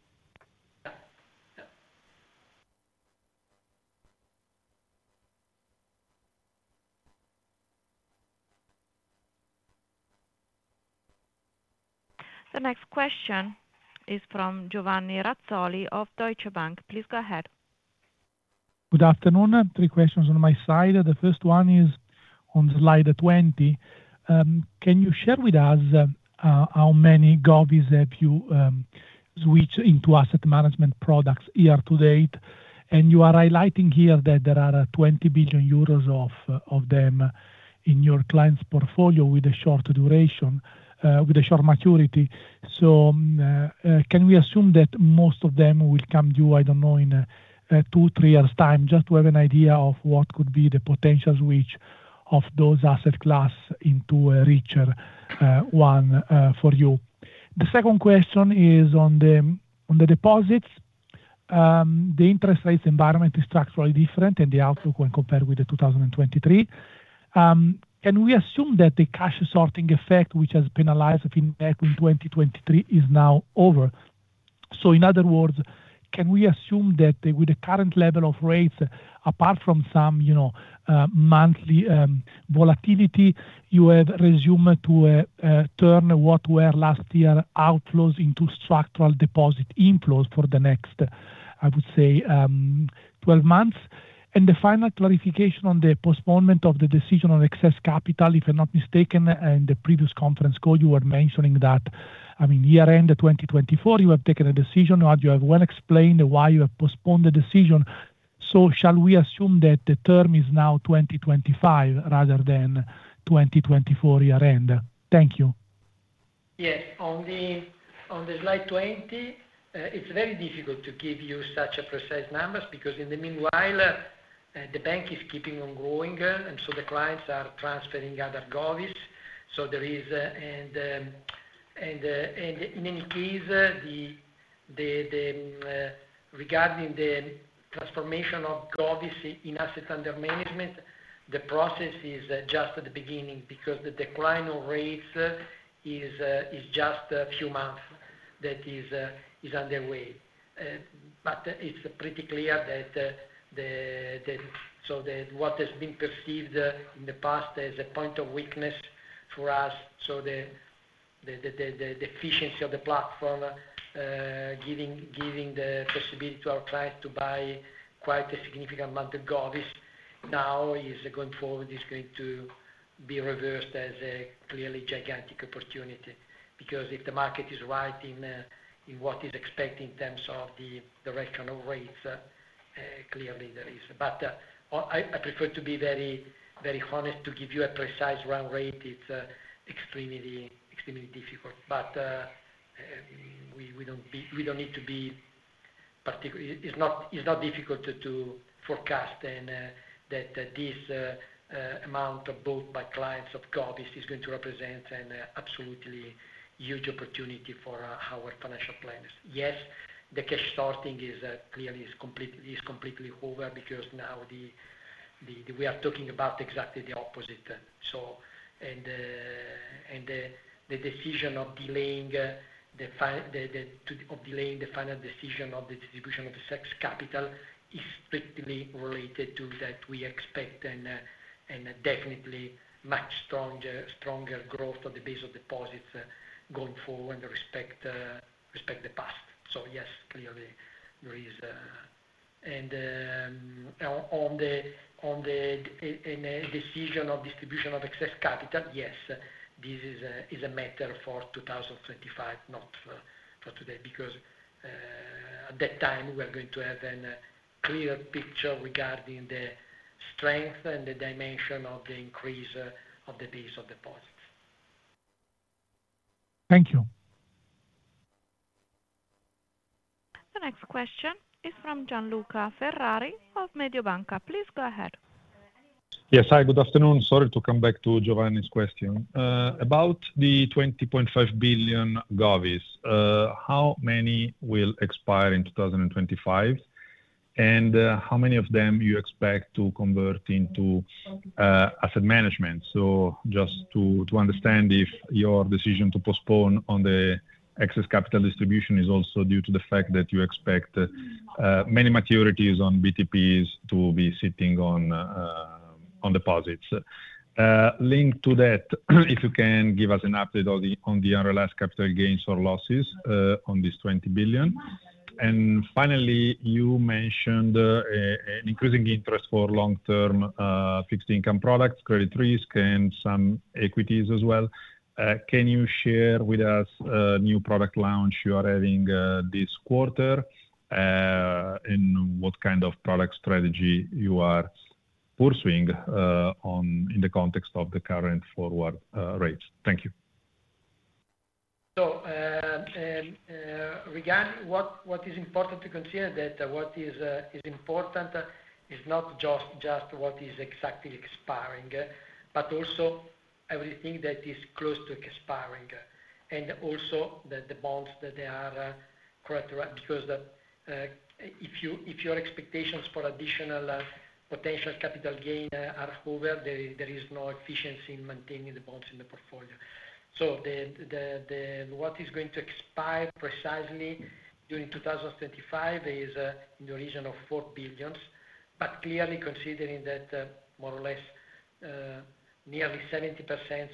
The next question is from Giovanni Razzoli of Deutsche Bank. Please go ahead. Good afternoon. Three questions on my side. The first one is on slide 20. Can you share with us how much of it that you switched into asset management products year to date? And you are highlighting here that there are 20 billion euros of them in your client's portfolio with a short duration, with a short maturity. So can we assume that most of them will come to you, I don't know, in two, three years' time, just to have an idea of what could be the potential switch of those asset class into a richer one for you? The second question is on the deposits. The interest rate environment is structurally different in the outlook when compared with 2023. Can we assume that the cash sorting effect, which has been alive in 2023, is now over? So in other words, can we assume that with the current level of rates, apart from some monthly volatility, you have resumed to turn what were last year outflows into structural deposit inflows for the next, I would say, 12 months? And the final clarification on the postponement of the decision on excess capital, if I'm not mistaken, in the previous conference call, you were mentioning that, I mean, year-end 2024, you have taken a decision, or you have well explained why you have postponed the decision. So shall we assume that the term is now 2025 rather than 2024 year-end? Thank you. Yes. On the slide 20, it's very difficult to give you such precise numbers because in the meanwhile, the bank is keeping on growing, and so the clients are transferring other assets. And in any case, regarding the transformation of Govis in asset under management, the process is just at the beginning because the decline of rates is just a few months that is underway. But it's pretty clear that what has been perceived in the past as a point of weakness for us, so the efficiency of the platform giving the possibility to our clients to buy quite a significant amount of Govis, now going forward is going to be reversed as a clearly gigantic opportunity. Because if the market is right in what is expected in terms of the direction of rates, clearly there is. But I prefer to be very honest to give you a precise run rate. It's extremely difficult. But we don't need to be. It's not difficult to forecast that this amount bought by clients of Fineco is going to represent an absolutely huge opportunity for our financial planners. Yes, the cash sorting is clearly completely over because now we are talking about exactly the opposite. The decision of delaying the final decision of the distribution of the excess capital is strictly related to that we expect and definitely much stronger growth of the base of deposits going forward with respect to the past. So yes, clearly, there is. On the decision of distribution of excess capital, yes, this is a matter for 2025, not for today, because at that time, we are going to have a clear picture regarding the strength and the dimension of the increase of the base of deposits. Thank you. The next question is from Gianluca Ferrari of Mediobanca. Please go ahead. Yes. Hi, good afternoon. Sorry to come back to Giovanni's question. About the €20.5 billion. Got it, how many will expire in 2025? And how many of them you expect to convert into asset management? So just to understand if your decision to postpone on the excess capital distribution is also due to the fact that you expect many maturities on BTPs to be sitting on deposits. Link to that, if you can give us an update on the unrealized capital gains or losses on this €20 billion. And finally, you mentioned an increasing interest for long-term fixed income products, credit risk, and some equities as well. Can you share with us a new product launch you are having this quarter and what kind of product strategy you are pursuing in the context of the current forward rates? Thank you. So regarding what is important to consider, that what is important is not just what is exactly expiring, but also everything that is close to expiring. And also the bonds that they are because if your expectations for additional potential capital gain are over, there is no efficiency in maintaining the bonds in the portfolio. So what is going to expire precisely during 2025 is in the region of 4 billion. But clearly, considering that more or less nearly 70%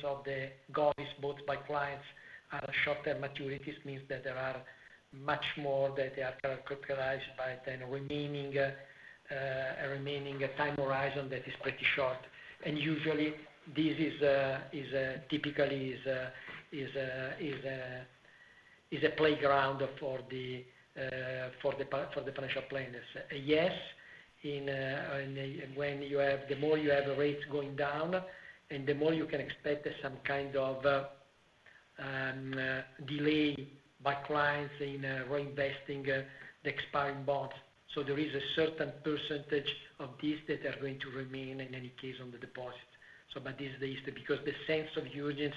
of that got bought by clients are short-term maturities, means that there are much more that they are characterized by a then-remaining time horizon that is pretty short. And usually, this typically is a playground for the financial planners. Yes, when you have the more you have rates going down, and the more you can expect some kind of delay by clients in reinvesting the expiring bonds. So there is a certain percentage of these that are going to remain in any case on the deposit. But this is the issue because the sense of urgency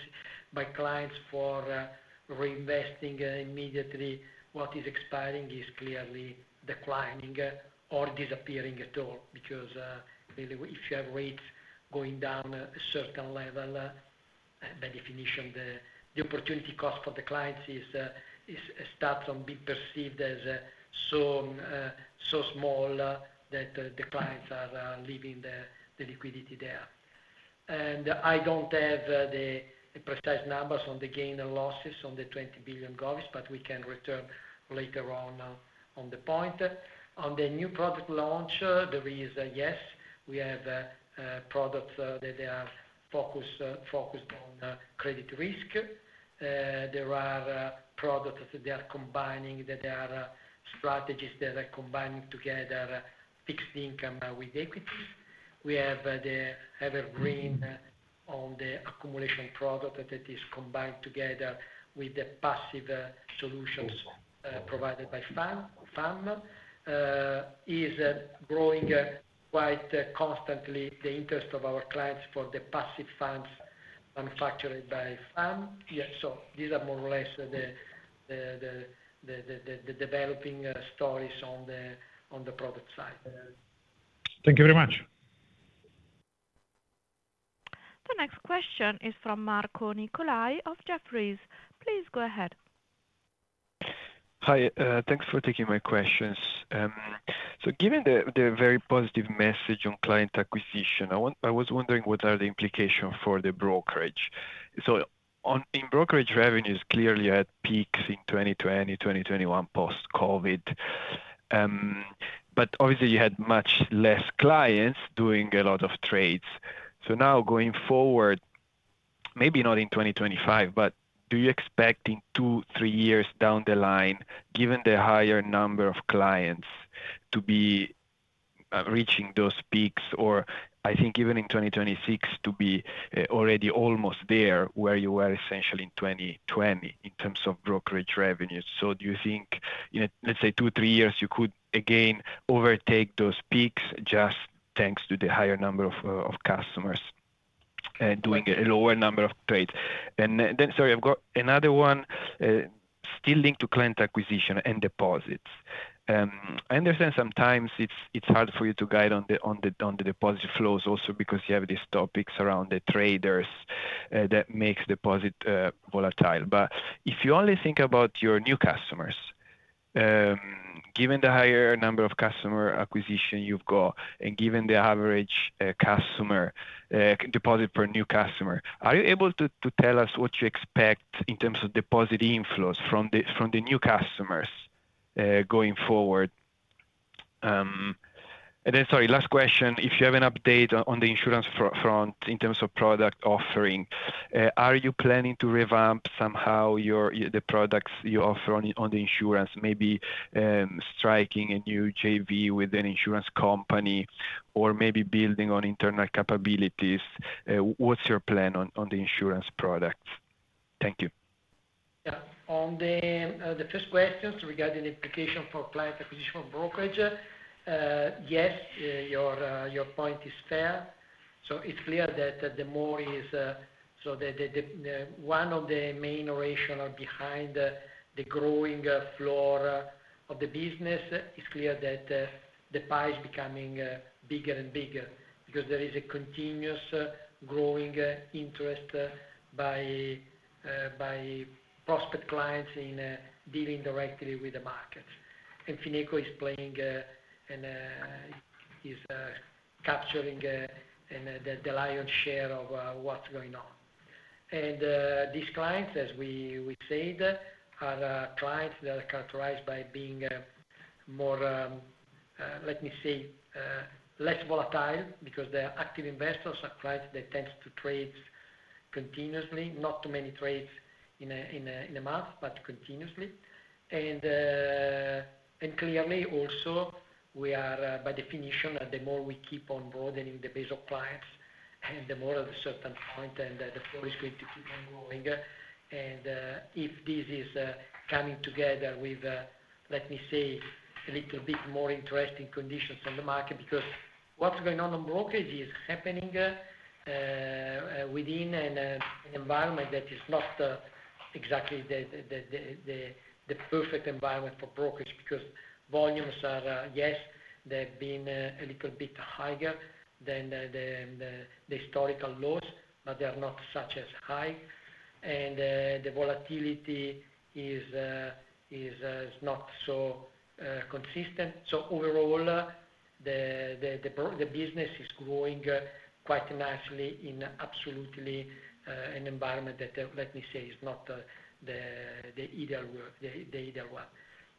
by clients for reinvesting immediately what is expiring is clearly declining or disappearing at all. Because if you have rates going down a certain level, by definition, the opportunity cost for the clients starts to be perceived as so small that the clients are leaving the liquidity there. And I don't have the precise numbers on the gain and losses on the €20 billion got it, but we can return later on on the point. On the new product launch, there is a yes, we have products that they are focused on credit risk. There are products that they are combining, that they are strategies that are combining together fixed income with equities. We have the evergreen on the accumulation product that is combined together with the passive solutions provided by FAM, is growing quite constantly the interest of our clients for the passive funds manufactured by FAM. So these are more or less the developing stories on the product side. Thank you very much. The next question is from Marco Nicolai of Jefferies. Please go ahead. Hi. Thanks for taking my questions. So given the very positive message on client acquisition, I was wondering what are the implications for the brokerage. So in brokerage revenues, clearly at peaks in 2020, 2021 post-COVID. But obviously, you had much less clients doing a lot of trades. So now going forward, maybe not in 2025, but do you expect in two, three years down the line, given the higher number of clients to be reaching those peaks, or I think even in 2026 to be already almost there where you were essentially in 2020 in terms of brokerage revenues? So do you think, let's say, two, three years, you could again overtake those peaks just thanks to the higher number of customers and doing a lower number of trades? Sorry, I've got another one still linked to client acquisition and deposits. I understand sometimes it's hard for you to guide on the deposit flows also because you have these topics around the traders that make deposits volatile. But if you only think about your new customers, given the higher number of customer acquisition you've got and given the average deposit per new customer, are you able to tell us what you expect in terms of deposit inflows from the new customers going forward? And then, sorry, last question. If you have an update on the insurance front in terms of product offering, are you planning to revamp somehow the products you offer on the insurance, maybe striking a new JV with an insurance company or maybe building on internal capabilities? What's your plan on the insurance products? Thank you. Yeah. On the first questions regarding the implication for client acquisition for brokerage, yes, your point is fair. So it's clear that one of the main rationale behind the growing flow of the business is that the pie is becoming bigger and bigger because there is a continuous growing interest by prospective clients in dealing directly with the market. And Fineco is playing and is capturing the lion's share of what's going on. And these clients, as we said, are clients that are characterized by being more, let me say, less volatile because they are active investors, clients that tend to trade continuously, not too many trades in a month, but continuously. And clearly, also, we are by definition, the more we keep on broadening the base of clients, the more at a certain point and the flow is going to keep on growing. And if this is coming together with, let me say, a little bit more interesting conditions on the market because what's going on on brokerage is happening within an environment that is not exactly the perfect environment for brokerage because volumes are, yes, they've been a little bit higher than the historical lows, but they are not as high. And the volatility is not so consistent. So overall, the business is growing quite nicely in an absolutely an environment that, let me say, is not the ideal one.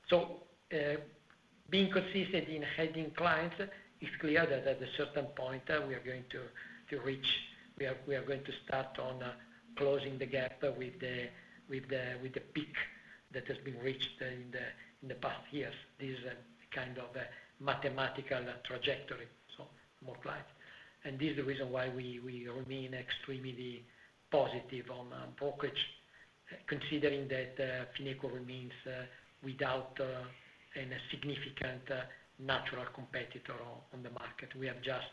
So being consistent in adding clients, it's clear that at a certain point, we are going to start closing the gap with the peak that has been reached in the past years. This is a kind of mathematical trajectory, so more clients. And this is the reason why we remain extremely positive on brokerage, considering that Fineco remains without a significant natural competitor on the market. We have just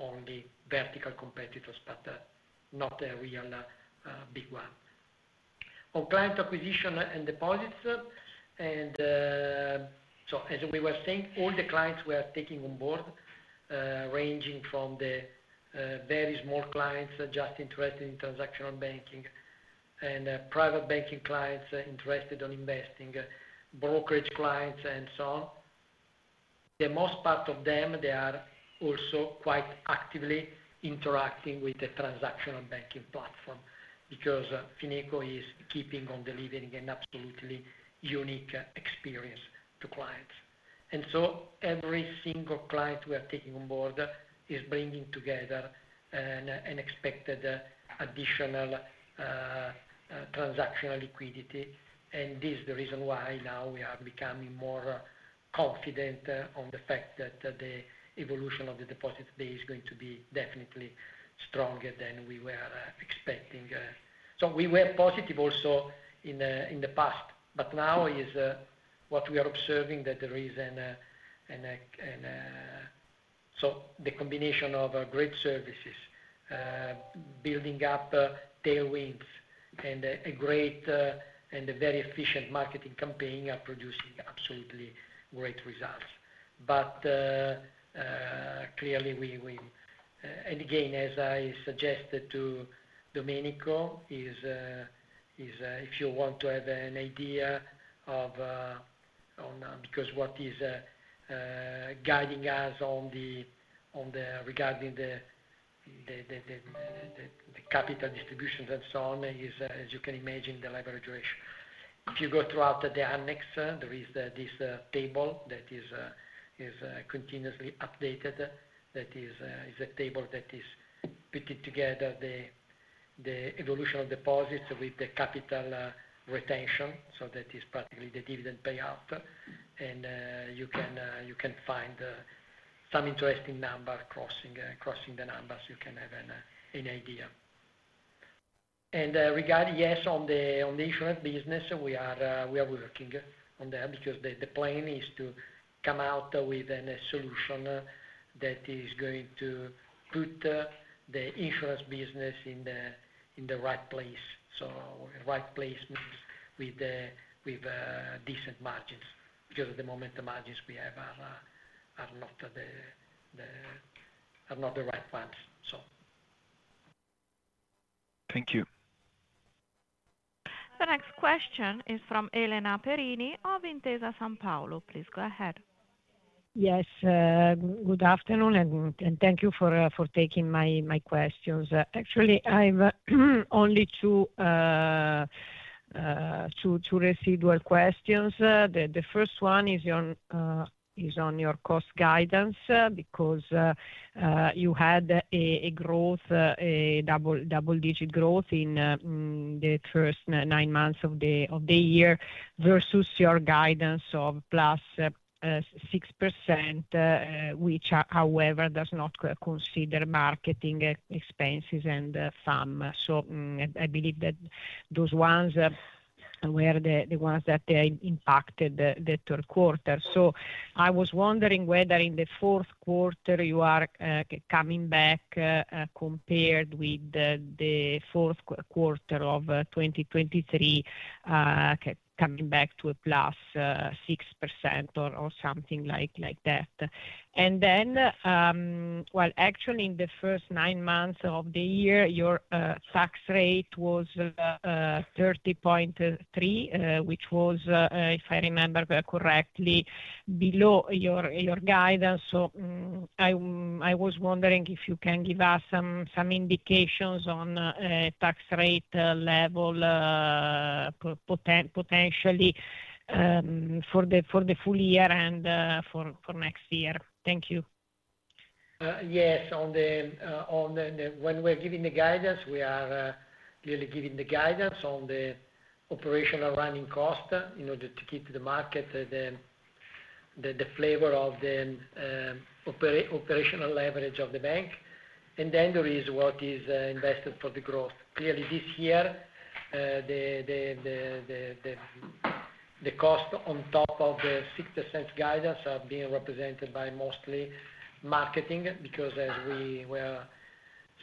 only vertical competitors, but not a real big one. On client acquisition and deposits, and so as we were saying, all the clients we are taking on board, ranging from the very small clients just interested in transactional banking and private banking clients interested in investing, brokerage clients, and so on. The most part of them, they are also quite actively interacting with the transactional banking platform because Fineco is keeping on delivering an absolutely unique experience to clients. And so every single client we are taking on board is bringing together an expected additional transactional liquidity. And this is the reason why now we are becoming more confident on the fact that the evolution of the deposit base is going to be definitely stronger than we were expecting. So we were positive also in the past, but now what we are observing is that there is and so the combination of great services, building up tailwinds, and a great and very efficient marketing campaign are producing absolutely great results. But clearly, we, and again, as I suggested to Domenico, if you want to have an idea of, because what is guiding us regarding the capital distributions and so on is, as you can imagine, the leverage ratio. If you go through the annex, there is this table that is continuously updated. That is a table that is putting together the evolution of deposits with the capital retention. So that is practically the dividend payout. And you can find some interesting number crossing the numbers. You can have an idea. And regarding, yes, on the insurance business, we are working on that because the plan is to come out with a solution that is going to put the insurance business in the right place. So right place means with decent margins because at the moment, the margins we have are not the right ones, so. Thank you. The next question is from Elena Perini of Intesa Sanpaolo. Please go ahead. Yes. Good afternoon, and thank you for taking my questions. Actually, I have only two residual questions. The first one is on your cost guidance because you had a double-digit growth in the first nine months of the year versus your guidance of plus 6%, which, however, does not consider marketing expenses and FAM. So I believe that those ones were the ones that impacted the third quarter. So I was wondering whether in the fourth quarter, you are coming back compared with the fourth quarter of 2023, coming back to a plus 6% or something like that. And then, well, actually, in the first nine months of the year, your tax rate was 30.3%, which was, if I remember correctly, below your guidance. So I was wondering if you can give us some indications on tax rate level potentially for the full year and for next year. Thank you. Yes. On when we're giving the guidance, we are clearly giving the guidance on the operational running cost in order to keep the market, the flavor of the operational leverage of the bank. And then there is what is invested for the growth. Clearly, this year, the cost on top of the 6% guidance are being represented by mostly marketing because, as we were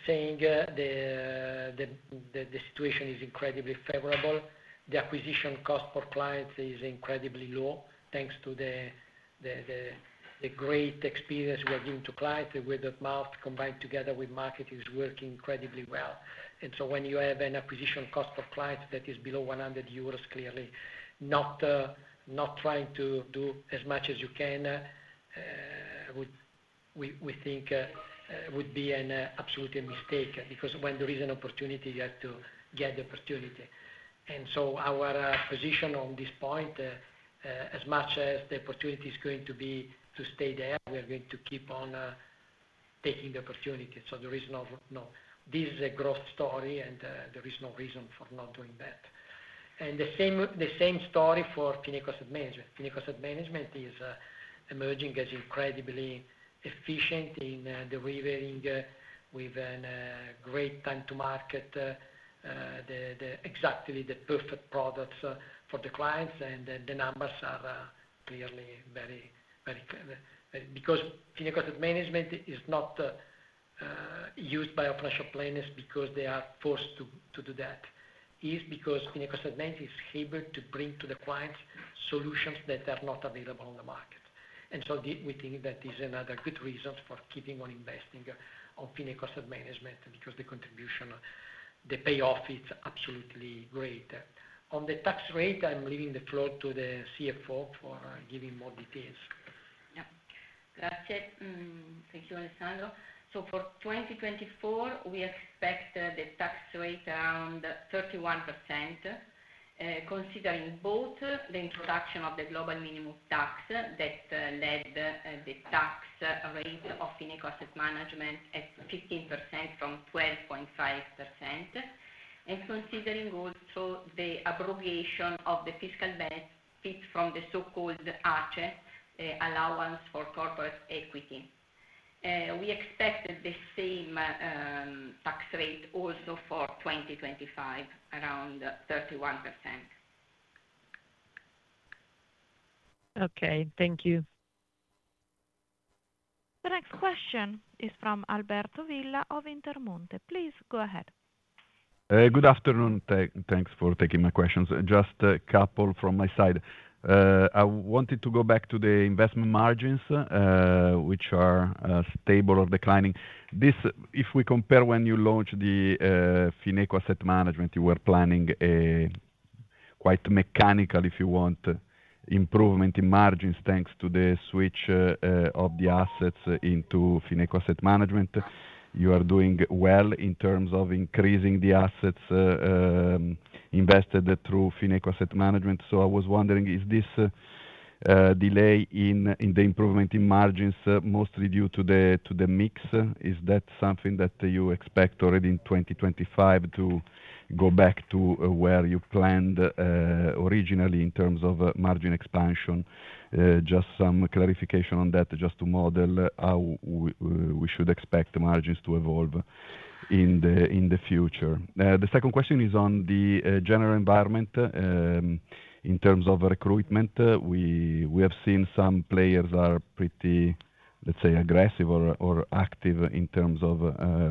saying, the situation is incredibly favorable. The acquisition cost for clients is incredibly low thanks to the great experience we are giving to clients with that math combined together with marketing is working incredibly well. And so when you have an acquisition cost for clients that is below 100 euros, clearly, not trying to do as much as you can, we think, would be absolutely a mistake because when there is an opportunity, you have to get the opportunity. And so our position on this point, as much as the opportunity is going to be to stay there, we are going to keep on taking the opportunity. So there is no this is a growth story, and there is no reason for not doing that. And the same story for Fineco Asset Management. Fineco Asset Management is emerging as incredibly efficient in delivering with a great time to market, exactly the perfect products for the clients. And the numbers are clearly very clear because Fineco Asset Management is not used by our financial planners because they are forced to do that. It's because Fineco Asset Management is able to bring to the clients solutions that are not available on the market. And so we think that is another good reason for keeping on investing on Fineco Asset Management because the contribution, the payoff, it's absolutely great. On the tax rate, I'm leaving the floor to the CFO for giving more details. Yep. That's it. Thank you, Alessandro. So for 2024, we expect the tax rate around 31%, considering both the introduction of the global minimum tax that led the tax rate of Fineco Asset Management at 15% from 12.5%, and considering also the abrogation of the fiscal benefit from the so-called ACE, allowance for corporate equity. We expect the same tax rate also for 2025, around 31%. Okay. Thank you. The next question is from Alberto Villa of Intermonte. Please go ahead. Good afternoon. Thanks for taking my questions. Just a couple from my side. I wanted to go back to the investment margins, which are stable or declining. If we compare when you launched the Fineco Asset Management, you were planning a quite mechanical, if you want, improvement in margins thanks to the switch of the assets into Fineco Asset Management. You are doing well in terms of increasing the assets invested through Fineco Asset Management. So I was wondering, is this delay in the improvement in margins mostly due to the mix? Is that something that you expect already in 2025 to go back to where you planned originally in terms of margin expansion? Just some clarification on that, just to model how we should expect margins to evolve in the future. The second question is on the general environment in terms of recruitment. We have seen some players are pretty, let's say, aggressive or active in terms of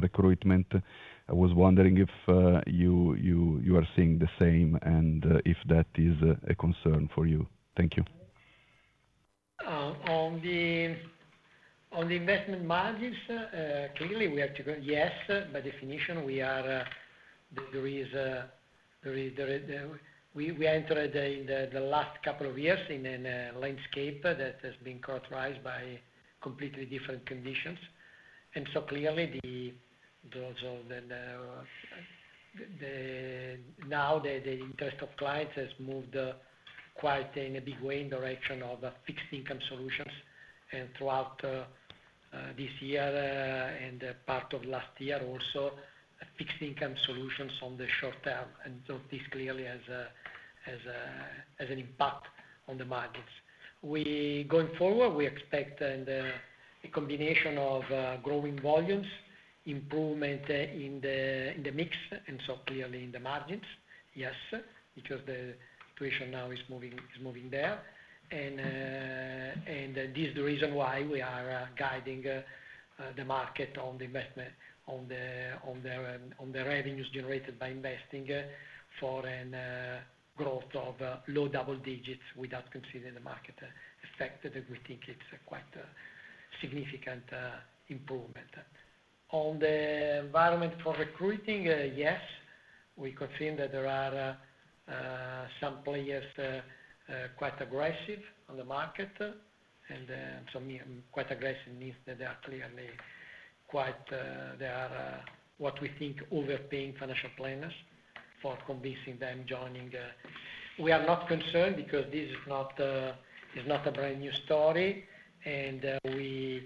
recruitment. I was wondering if you are seeing the same and if that is a concern for you. Thank you. On the investment margins, clearly, we have to go, yes, by definition, we are there. We entered in the last couple of years in a landscape that has been characterized by completely different conditions. And so clearly, now the interest of clients has moved quite in a big way in the direction of fixed income solutions. And throughout this year and part of last year, also, fixed income solutions on the short term. And so this clearly has an impact on the margins. Going forward, we expect a combination of growing volumes, improvement in the mix, and so clearly in the margins, yes, because the situation now is moving there. And this is the reason why we are guiding the market on the investment, on the revenues generated by investing for a growth of low double digits without considering the market effect. We think it's a quite significant improvement. On the environment for recruiting, yes, we confirm that there are some players quite aggressive on the market. Quite aggressive means that they are clearly quite they are what we think overpaying financial planners for convincing them joining. We are not concerned because this is not a brand new story. We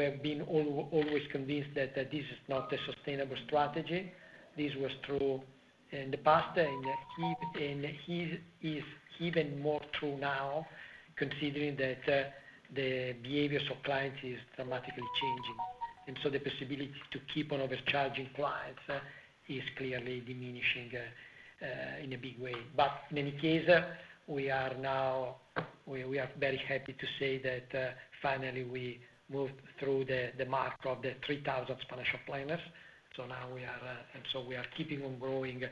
have been always convinced that this is not a sustainable strategy. This was true in the past, and it is even more true now, considering that the behaviors of clients are dramatically changing. The possibility to keep on overcharging clients is clearly diminishing in a big way. In any case, we are very happy to say that finally we moved through the mark of the 3,000 financial planners. Now we are and so we are keeping on growing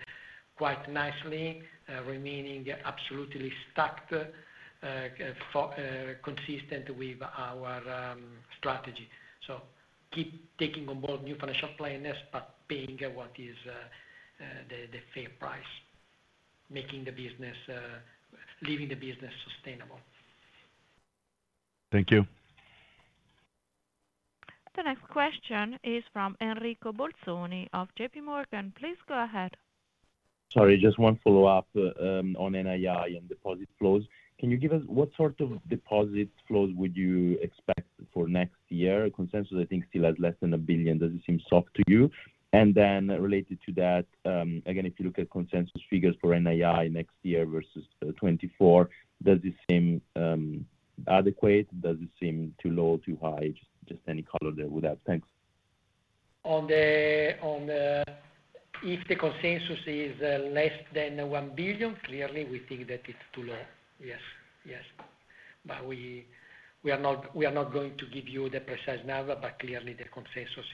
quite nicely, remaining absolutely stacked, consistent with our strategy. Keep taking on board new financial planners, but paying what is the fair price, making the business, leaving the business sustainable. Thank you. The next question is from Enrico Bolzoni of JPMorgan. Please go ahead. Sorry, just one follow-up on NII and deposit flows. Can you give us what sort of deposit flows would you expect for next year? Consensus, I think, still has less than a billion. Does it seem soft to you? And then related to that, again, if you look at consensus figures for NII next year versus 2024, does it seem adequate? Does it seem too low, too high? Just any color there would help. Thanks. On if the consensus is less than one billion, clearly, we think that it's too low. Yes. Yes. But we are not going to give you the precise number, but clearly, the consensus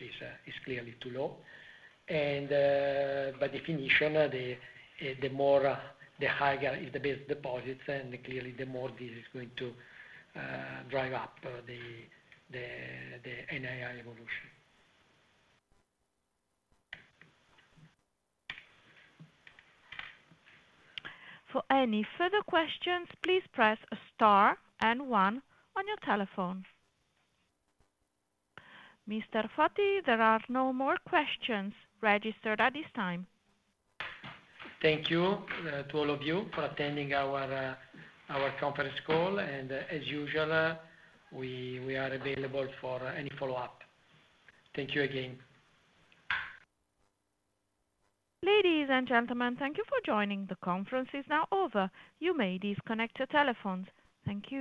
is clearly too low. And by definition, the higher is the best deposit, and clearly, the more this is going to drive up the NII evolution. For any further questions, please press star and one on your telephone. Mr. Foti, there are no more questions registered at this time. Thank you to all of you for attending our conference call, and as usual, we are available for any follow-up. Thank you again. Ladies and gentlemen, thank you for joining. The conference is now over. You may disconnect your telephones. Thank you.